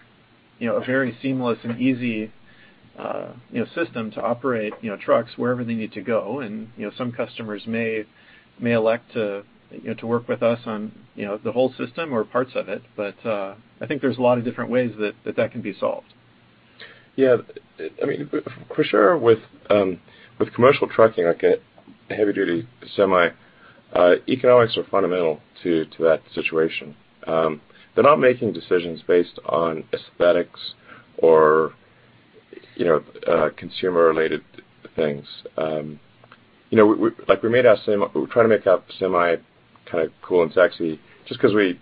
you know, a very seamless and easy, you know, system to operate, you know, trucks wherever they need to go. You know, some customers may elect to, you know, to work with us on, you know, the whole system or parts of it. I think there's a lot of different ways that that can be solved. I mean, for sure with commercial trucking, like a heavy-duty semi, economics are fundamental to that situation. They're not making decisions based on aesthetics or, you know, consumer-related things. You know, we try to make our Semi kind of cool and sexy just 'cause we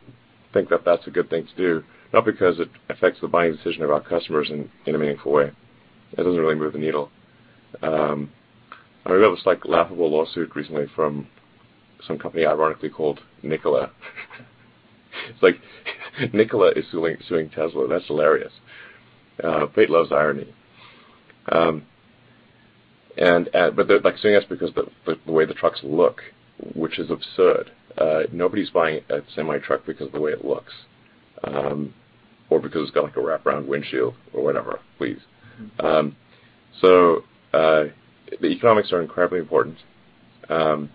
think that that's a good thing to do, not because it affects the buying decision of our customers in a meaningful way. It doesn't really move the needle. We have this like laughable lawsuit recently from some company ironically called Nikola. It's like Nikola is suing Tesla. That's hilarious. Fate loves irony. They're like suing us because the way the trucks look, which is absurd. Nobody's buying a semi-truck because the way it looks, or because it's got like a wraparound windshield or whatever. Please. The economics are incredibly important. We have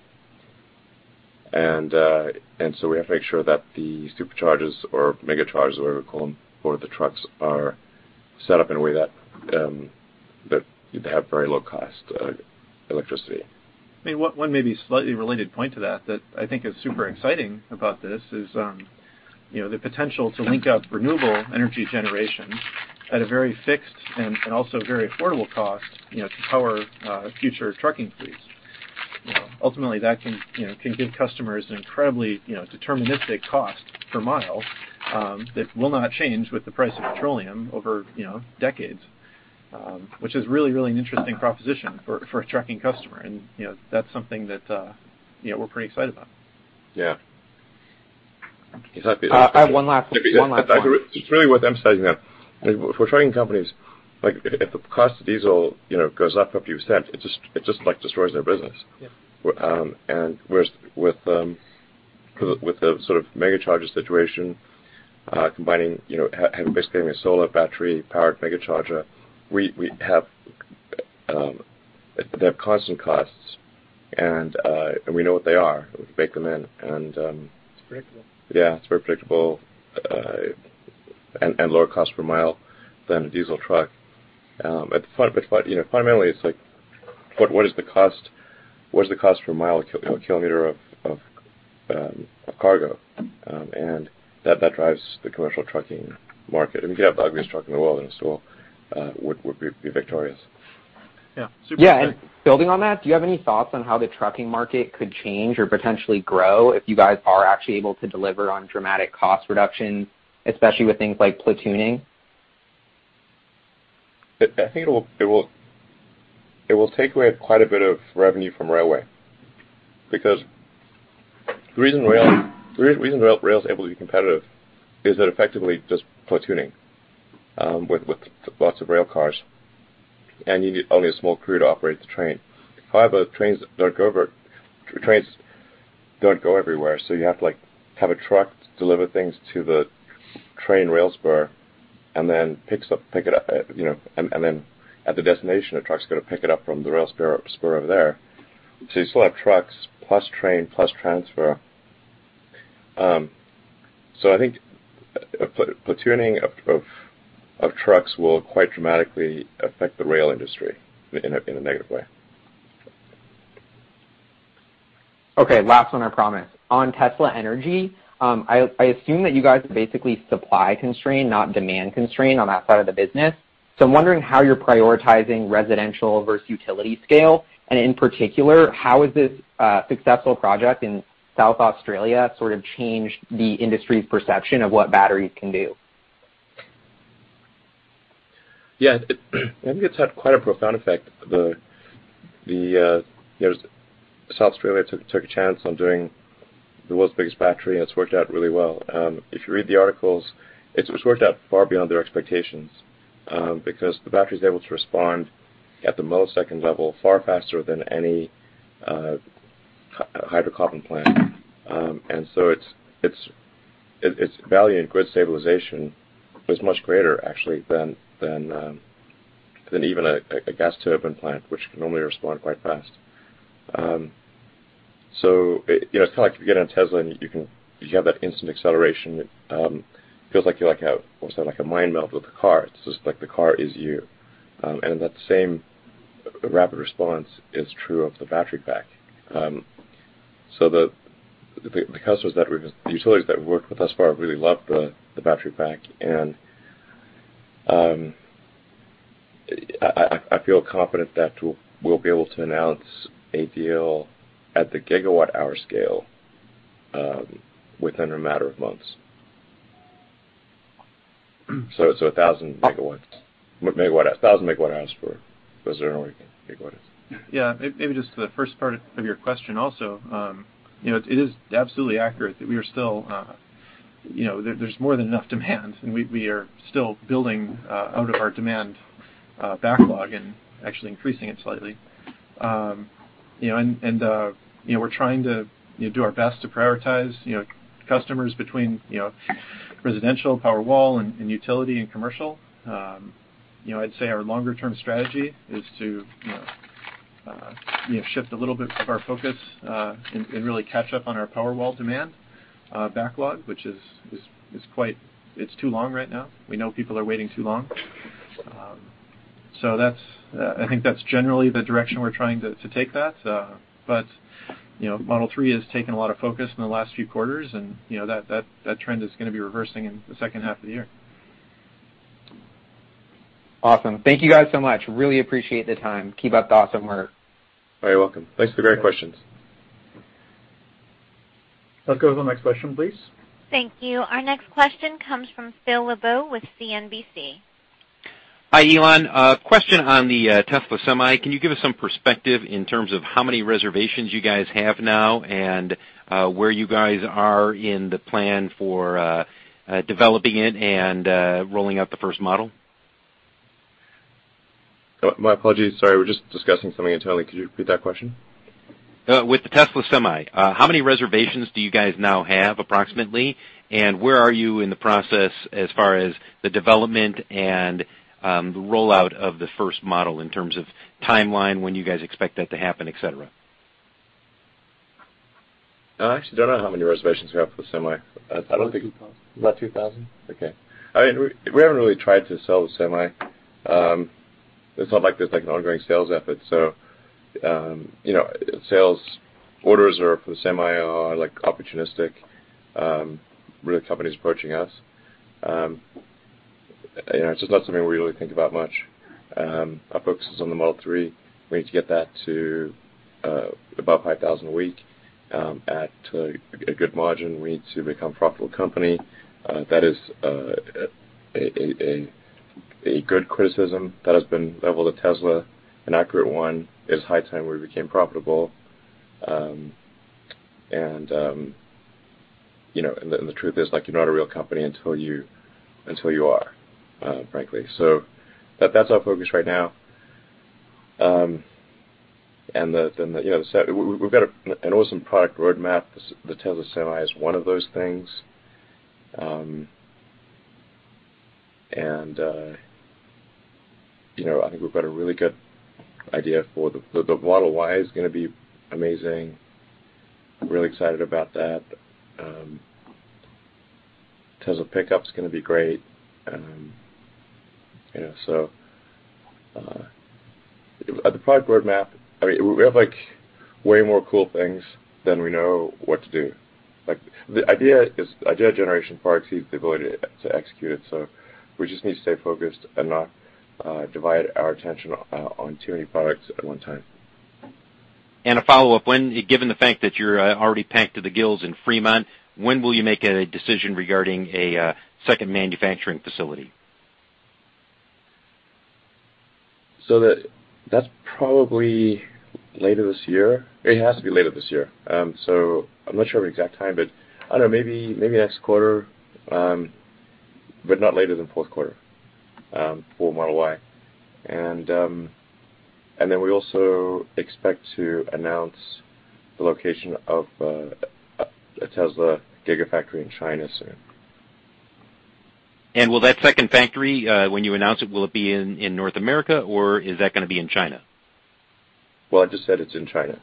to make sure that the Superchargers or Megachargers, whatever we call them, for the trucks are set up in a way that they have very low cost electricity. I mean, one maybe slightly related point to that that I think is super exciting about this is, you know, the potential to link up renewable energy generation at a very fixed and also very affordable cost, you know, to power future trucking fleets. Ultimately, that can, you know, can give customers an incredibly, you know, deterministic cost per mile that will not change with the price of petroleum over, you know, decades, which is really an interesting proposition for a trucking customer. That's something that, you know, we're pretty excited about. Yeah. Exactly. I have one last one. It's really worth emphasizing that for trucking companies, like, if the cost of diesel, you know, goes up a few cents, it just like destroys their business. Yeah. Whereas with the, with the sort of Megacharger situation, combining, you know, having basically a solar battery-powered Megacharger, we have, they have constant costs, and we know what they are. We bake them in. It's predictable. Yeah, it's predictable. Lower cost per mile than a diesel truck. You know, fundamentally it's like what is the cost per mile per kilometer of cargo? That drives the commercial trucking market. If you have the ugliest truck in the world, then still would be victorious. Yeah. Yeah. Building on that, do you have any thoughts on how the trucking market could change or potentially grow if you guys are actually able to deliver on dramatic cost reduction, especially with things like platooning? I think it will take away quite a bit of revenue from railway because the reason rail is able to be competitive is they're effectively just platooning with lots of rail cars, and you need only a small crew to operate the train. However, trains don't go everywhere, so you have to like have a truck deliver things to the train rail spur and then pick it up, you know, and then at the destination, a truck's got to pick it up from the rail spur over there. You still have trucks plus train plus transfer. I think platooning of trucks will quite dramatically affect the rail industry in a negative way. Okay, last one, I promise. On Tesla Energy, I assume that you guys are basically supply constrained, not demand constrained on that side of the business. I'm wondering how you're prioritizing residential versus utility scale, and in particular, how is this successful project in South Australia sort of changed the industry's perception of what batteries can do? Yeah, it, I think it's had quite a profound effect. The, you know, South Australia took a chance on doing the world's biggest battery, and it's worked out really well. If you read the articles, it's worked out far beyond their expectations, because the battery's able to respond at the millisecond level far faster than any hydrocarbon plant. It's value in grid stabilization is much greater actually than even a gas turbine plant, which can normally respond quite fast. It, you know, it's kind of like if you get in a Tesla and you can, you have that instant acceleration, it feels like you like have almost like a mind meld with the car. It's just like the car is you. That same rapid response is true of the battery pack. The customers, the utilities that we've worked with thus far really love the battery pack, and I feel confident that we'll be able to announce a deal at the gigawatt hour scale within a matter of months. A 1,000 MW. Megawatt, 1,000 MWh per, those are normally gigawatts. Maybe just to the first part of your question also, you know, it is absolutely accurate that we are still, you know, there's more than enough demand, and we are still building out of our demand backlog and actually increasing it slightly. You know, and, you know, we're trying to, you know, do our best to prioritize, you know, customers between, you know, residential Powerwall and utility and commercial. You know, I'd say our longer-term strategy is to, you know, you know, shift a little bit of our focus, and really catch up on our Powerwall demand backlog, which is quite, it's too long right now. We know people are waiting too long. That's, I think that's generally the direction we're trying to take that. You know, Model 3 has taken a lot of focus in the last few quarters and, you know, that trend is gonna be reversing in the second half of the year. Awesome. Thank you guys so much. Really appreciate the time. Keep up the awesome work. Very welcome. Thanks for the great questions. Let's go to the next question, please. Thank you. Our next question comes from Phil LeBeau with CNBC. Hi, Elon. Question on the Tesla Semi. Can you give us some perspective in terms of how many reservations you guys have now and where you guys are in the plan for developing it and rolling out the first model? My apologies. Sorry. We're just discussing something internally. Could you repeat that question? With the Tesla Semi, how many reservations do you guys now have approximately, and where are you in the process as far as the development and the rollout of the first model in terms of timeline, when you guys expect that to happen, etc? I actually don't know how many reservations we have for the Semi. About 2,000. About 2,000? Okay. I mean, we haven't really tried to sell the Semi. It's not like there's like an ongoing sales effort. You know, sales orders are for the Semi are, like, opportunistic, really companies approaching us. You know, it's just not something we really think about much. Our focus is on the Model 3. We need to get that to above 5,000 a week, at a good margin. We need to become a profitable company. That is a good criticism that has been leveled at Tesla, an accurate one. It's high time we became profitable. You know, and the, and the truth is, like, you're not a real company until you, until you are, frankly. That, that's our focus right now. The, and the, you know, we've got a, an awesome product roadmap. The Tesla Semi is one of those things. You know, I think we've got a really good idea for the Model Y is gonna be amazing. Really excited about that. Tesla Pickup's gonna be great. You know, the product roadmap, I mean, we have, like, way more cool things than we know what to do. Like, the idea is, idea generation far exceeds the ability to execute it, we just need to stay focused and not divide our attention on too many products at one time. A follow-up. Given the fact that you're already packed to the gills in Fremont, when will you make a decision regarding a second manufacturing facility? That's probably later this year. It has to be later this year. I'm not sure of an exact time, but I don't know, maybe next quarter, but not later than fourth quarter for Model Y. We also expect to announce the location of a Tesla Gigafactory in China soon. Will that second factory, when you announce it, will it be in North America or is that gonna be in China? Well, I just said it's in China.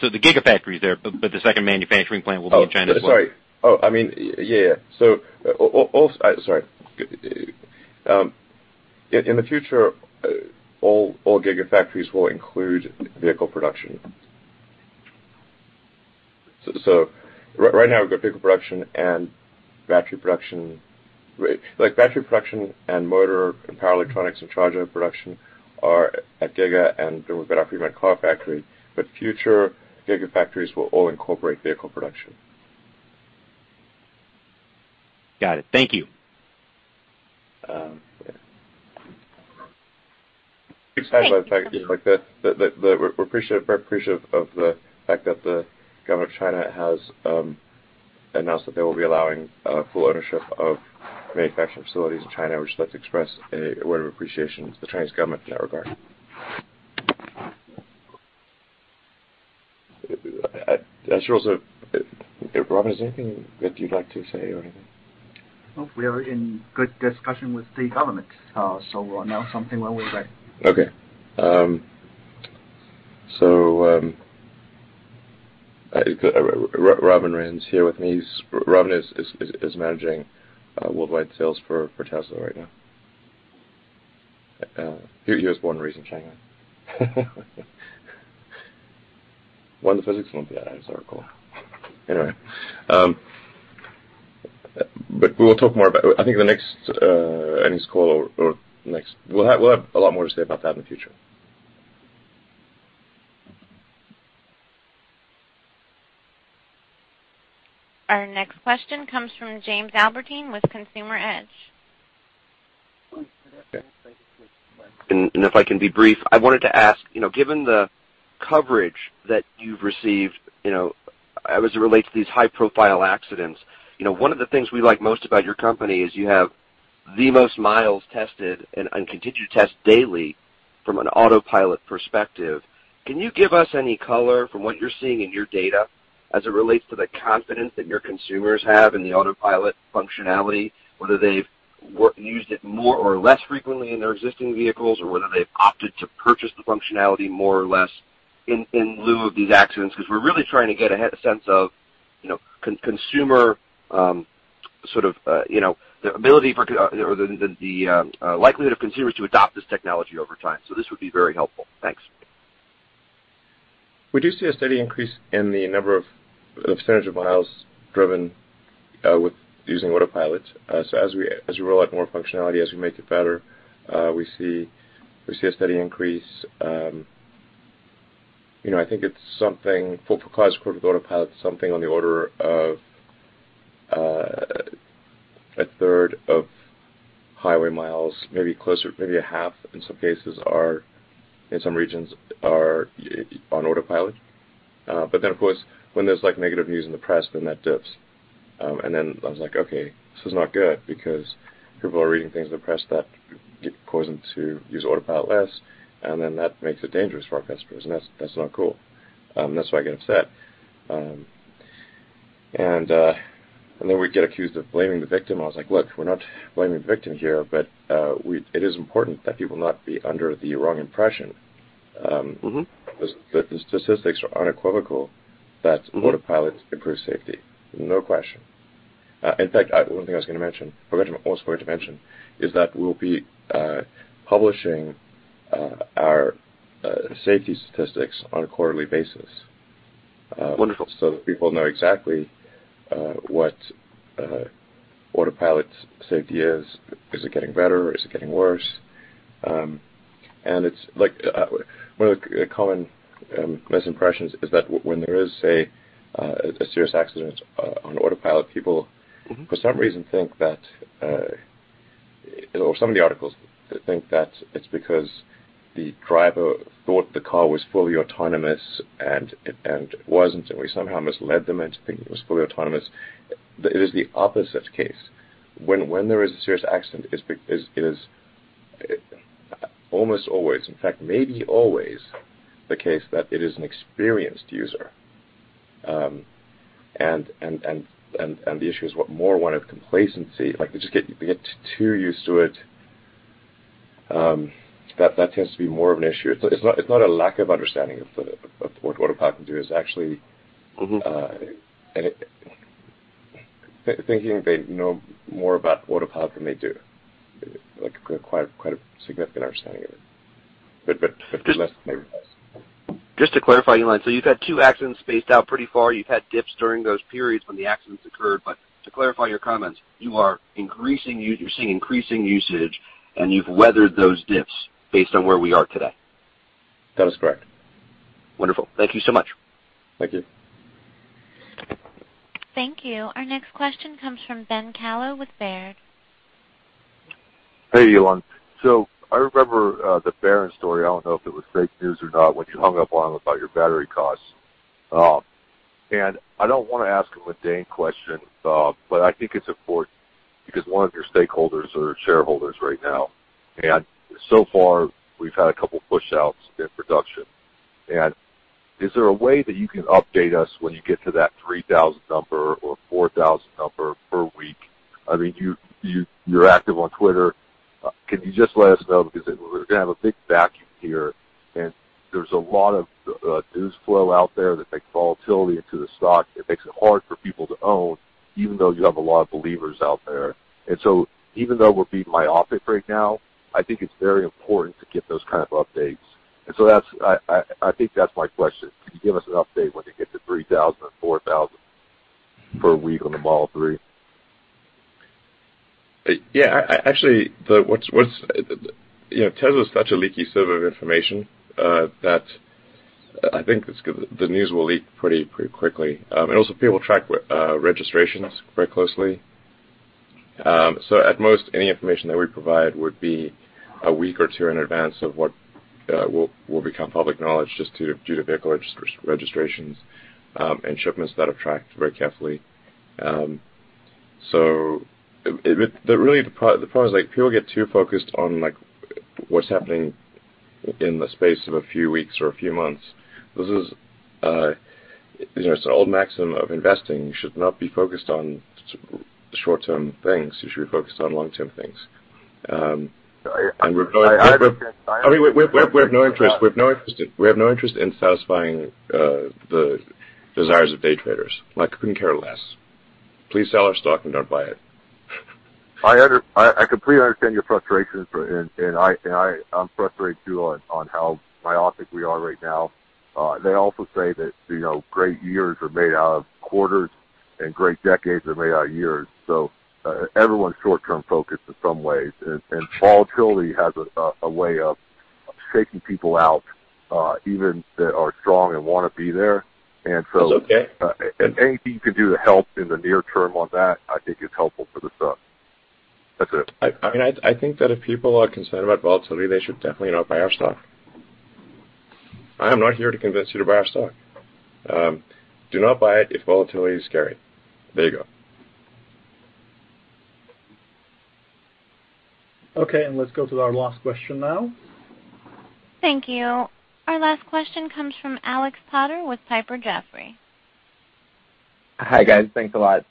The Gigafactory is there, but the second manufacturing plant will be in China as well? Oh, sorry. I mean, yeah. I'm sorry. In the future, all Gigafactories will include vehicle production. Right now we've got vehicle production and battery production. Like, battery production and motor and power electronics and charger production are at Giga and then we've got our Fremont car factory. Future Gigafactories will all incorporate vehicle production. Got it. Thank you. Yeah. Excited by the fact that we're appreciative, very appreciative of the fact that the government of China has announced that they will be allowing full ownership of manufacturing facilities in China. We'd just like to express a word of appreciation to the Chinese government in that regard. I should also Robin, is there anything that you'd like to say or anything? Well, we are in good discussion with the government, so we'll announce something when we're ready. Okay. Robin Ren's here with me. Robin is managing worldwide sales for Tesla right now. He was born and raised in China, won the Physics Olympiad. That is sort of cool. Anyway, we will talk more about I think the next earnings call or next We'll have a lot more to say about that in the future. Our next question comes from Jamie Albertine with Consumer Edge. Okay. If I can be brief, I wanted to ask, you know, given the coverage that you've received, you know, as it relates to these high-profile accidents, you know, one of the things we like most about your company is you have the most miles tested and continue to test daily from an Autopilot perspective. Can you give us any color from what you're seeing in your data as it relates to the confidence that your consumers have in the Autopilot functionality, whether they've used it more or less frequently in their existing vehicles, or whether they've opted to purchase the functionality more or less in lieu of these accidents? 'Cause we're really trying to get a sense of, you know, consumer sort of, you know, the ability for or the likelihood of consumers to adopt this technology over time. This would be very helpful. Thanks. We do see a steady increase in the percentage of miles driven with using Autopilot. As we roll out more functionality, as we make it better, we see a steady increase. You know, I think it's something for Autopilot, something on the order of a third of highway miles, maybe closer, maybe a half in some cases are, in some regions are on Autopilot. Of course, when there's, like, negative news in the press, then that dips. I was like, "Okay, this is not good," because people are reading things in the press that cause them to use Autopilot less, and then that makes it dangerous for our customers, and that's not cool. That's why I get upset. Then we'd get accused of blaming the victim. I was like, "Look, we're not blaming the victim here, but it is important that people not be under the wrong impression. The statistics are unequivocal. Autopilots improve safety, no question. In fact, one thing I was gonna mention, or almost forgot to mention is that we'll be publishing our safety statistics on a quarterly basis. Wonderful. That people know exactly, what, Autopilot safety is. Is it getting better? Is it getting worse? It's like, one of the common, misimpressions is that when there is, say, a serious accident, on Autopilot, people- For some reason think that, or some of the articles think that it's because the driver thought the car was fully autonomous and it, and it wasn't, and we somehow misled them into thinking it was fully autonomous. It is the opposite case. When there is a serious accident, it is almost always, in fact, maybe always the case that it is an experienced user. And the issue is what more one of complacency, like they get too used to it. That tends to be more of an issue. It's not a lack of understanding of the, of what Autopilot can do. It's actually. Thinking they know more about Autopilot than they do, like quite a significant understanding of it. Less maybe less. Just to clarify, Elon, you've had two accidents spaced out pretty far. You've had dips during those periods when the accidents occurred. To clarify your comments, you are increasing you're seeing increasing usage, and you've weathered those dips based on where we are today. That is correct. Wonderful. Thank you so much. Thank you. Thank you. Our next question comes from Ben Kallo with Baird. Hey, Elon. I remember the Barron's story. I don't know if it was fake news or not, when you hung up on him about your battery costs. I don't wanna ask a mundane question, I think it's important because one of your stakeholders are shareholders right now. So far, we've had a couple pushouts in production. Is there a way that you can update us when you get to that 3,000 number or 4,000 number per week? I mean, you're active on Twitter. Can you just let us know because we're gonna have a big vacuum here, there's a lot of news flow out there that takes volatility into the stock. It makes it hard for people to own, even though you have a lot of believers out there. Even though we're being myopic right now, I think it's very important to get those kind of updates. I think that's my question. Can you give us an update when you get to 3,000 or 4,000 per week on the Model 3? Yeah. Actually, you know, Tesla is such a leaky sieve of information that I think the news will leak pretty quickly. Also people track registrations very closely. At most, any information that we provide would be a week or two in advance of what will become public knowledge just due to vehicle registrations and shipments that are tracked very carefully. Really the pros, like, people get too focused on, like, what's happening in the space of a few weeks or a few months. This is, you know, an old maxim of investing. You should not be focused on short-term things. You should be focused on long-term things. I understand. We have no interest, we have no interest in satisfying the desires of day traders. Like, couldn't care less. Please sell our stock and don't buy it. I completely understand your frustration. I'm frustrated too on how myopic we are right now. They also say that, you know, great years are made out of quarters, and great decades are made out of years. Everyone's short-term focused in some ways. Volatility has a way of shaking people out, even that are strong and wanna be there. That's okay. Anything you can do to help in the near-term on that, I think is helpful for the stock. That's it. I mean, I think that if people are concerned about volatility, they should definitely not buy our stock. I am not here to convince you to buy our stock. Do not buy it if volatility is scary. There you go. Okay, let's go to our last question now. Thank you. Our last question comes from Alex Potter with Piper Jaffray. Hi, guys. Thanks a lot.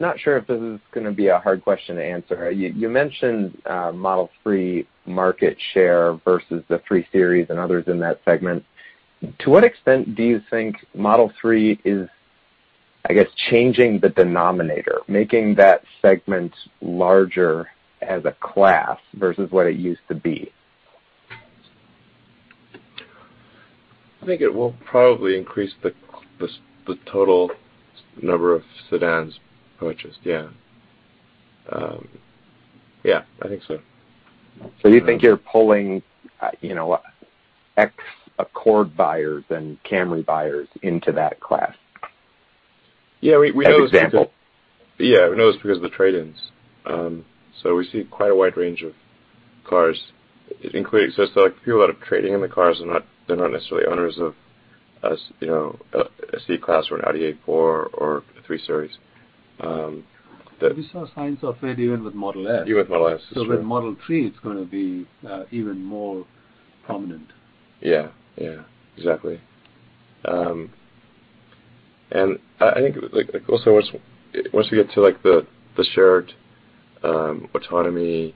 Not sure if this is gonna be a hard question to answer. You mentioned Model 3 market share versus the 3 Series and others in that segment. To what extent do you think Model 3 is, I guess, changing the denominator, making that segment larger as a class versus what it used to be? I think it will probably increase the total number of sedans purchased. Yeah. Yeah, I think so. You think you're pulling, you know, ex-Accord buyers and Camry buyers into that class? Yeah, we know. As an example. Yeah, we know it's because of the trade-ins. We see quite a wide range of cars, including so it's like people that are trading in the cars are not, they're not necessarily owners of a you know, a C-Class or an Audi A4 or a 3 Series. We saw signs of it even with Model S. Even with Model S. It's true. with Model 3, it's gonna be even more prominent. Yeah, yeah. Exactly. I think, like, also once we get to, like, the shared autonomy,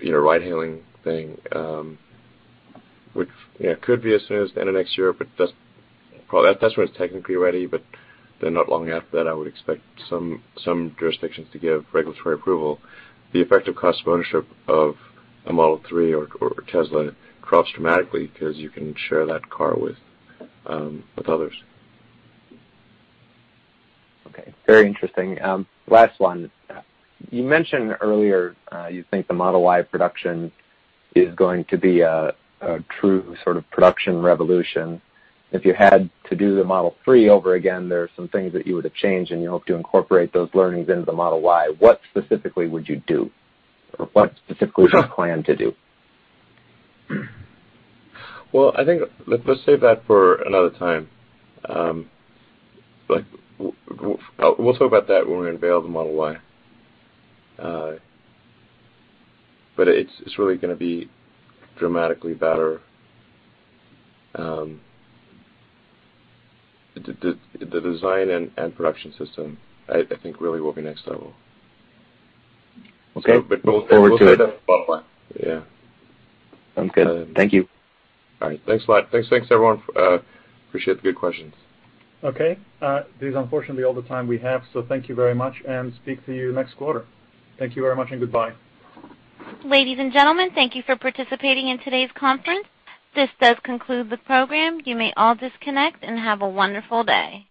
you know, ride-hailing thing, which, you know, could be as soon as the end of next year, but well, that's when it's technically ready, but then not long after that, I would expect some jurisdictions to give regulatory approval. The effective cost of ownership of a Model 3 or Tesla drops dramatically because you can share that car with others. Okay. Very interesting. Last one. You mentioned earlier, you think the Model Y production is going to be a true sort of production revolution. If you had to do the Model 3 over again, there are some things that you would have changed, and you hope to incorporate those learnings into the Model Y. What specifically would you do? Or what specifically do you plan to do? Well, I think let's save that for another time. Like, we'll talk about that when we unveil the Model Y. It's really gonna be dramatically better. The design and production system, I think really will be next level. Okay. Look forward to it. Yeah. Sounds good. Thank you. All right. Thanks a lot. Thanks, everyone. Appreciate the good questions. Okay. This is unfortunately all the time we have, so thank you very much, and speak to you next quarter. Thank you very much, and goodbye. Ladies and gentlemen, thank you for participating in today's conference. This does conclude the program. You may all disconnect and have a wonderful day.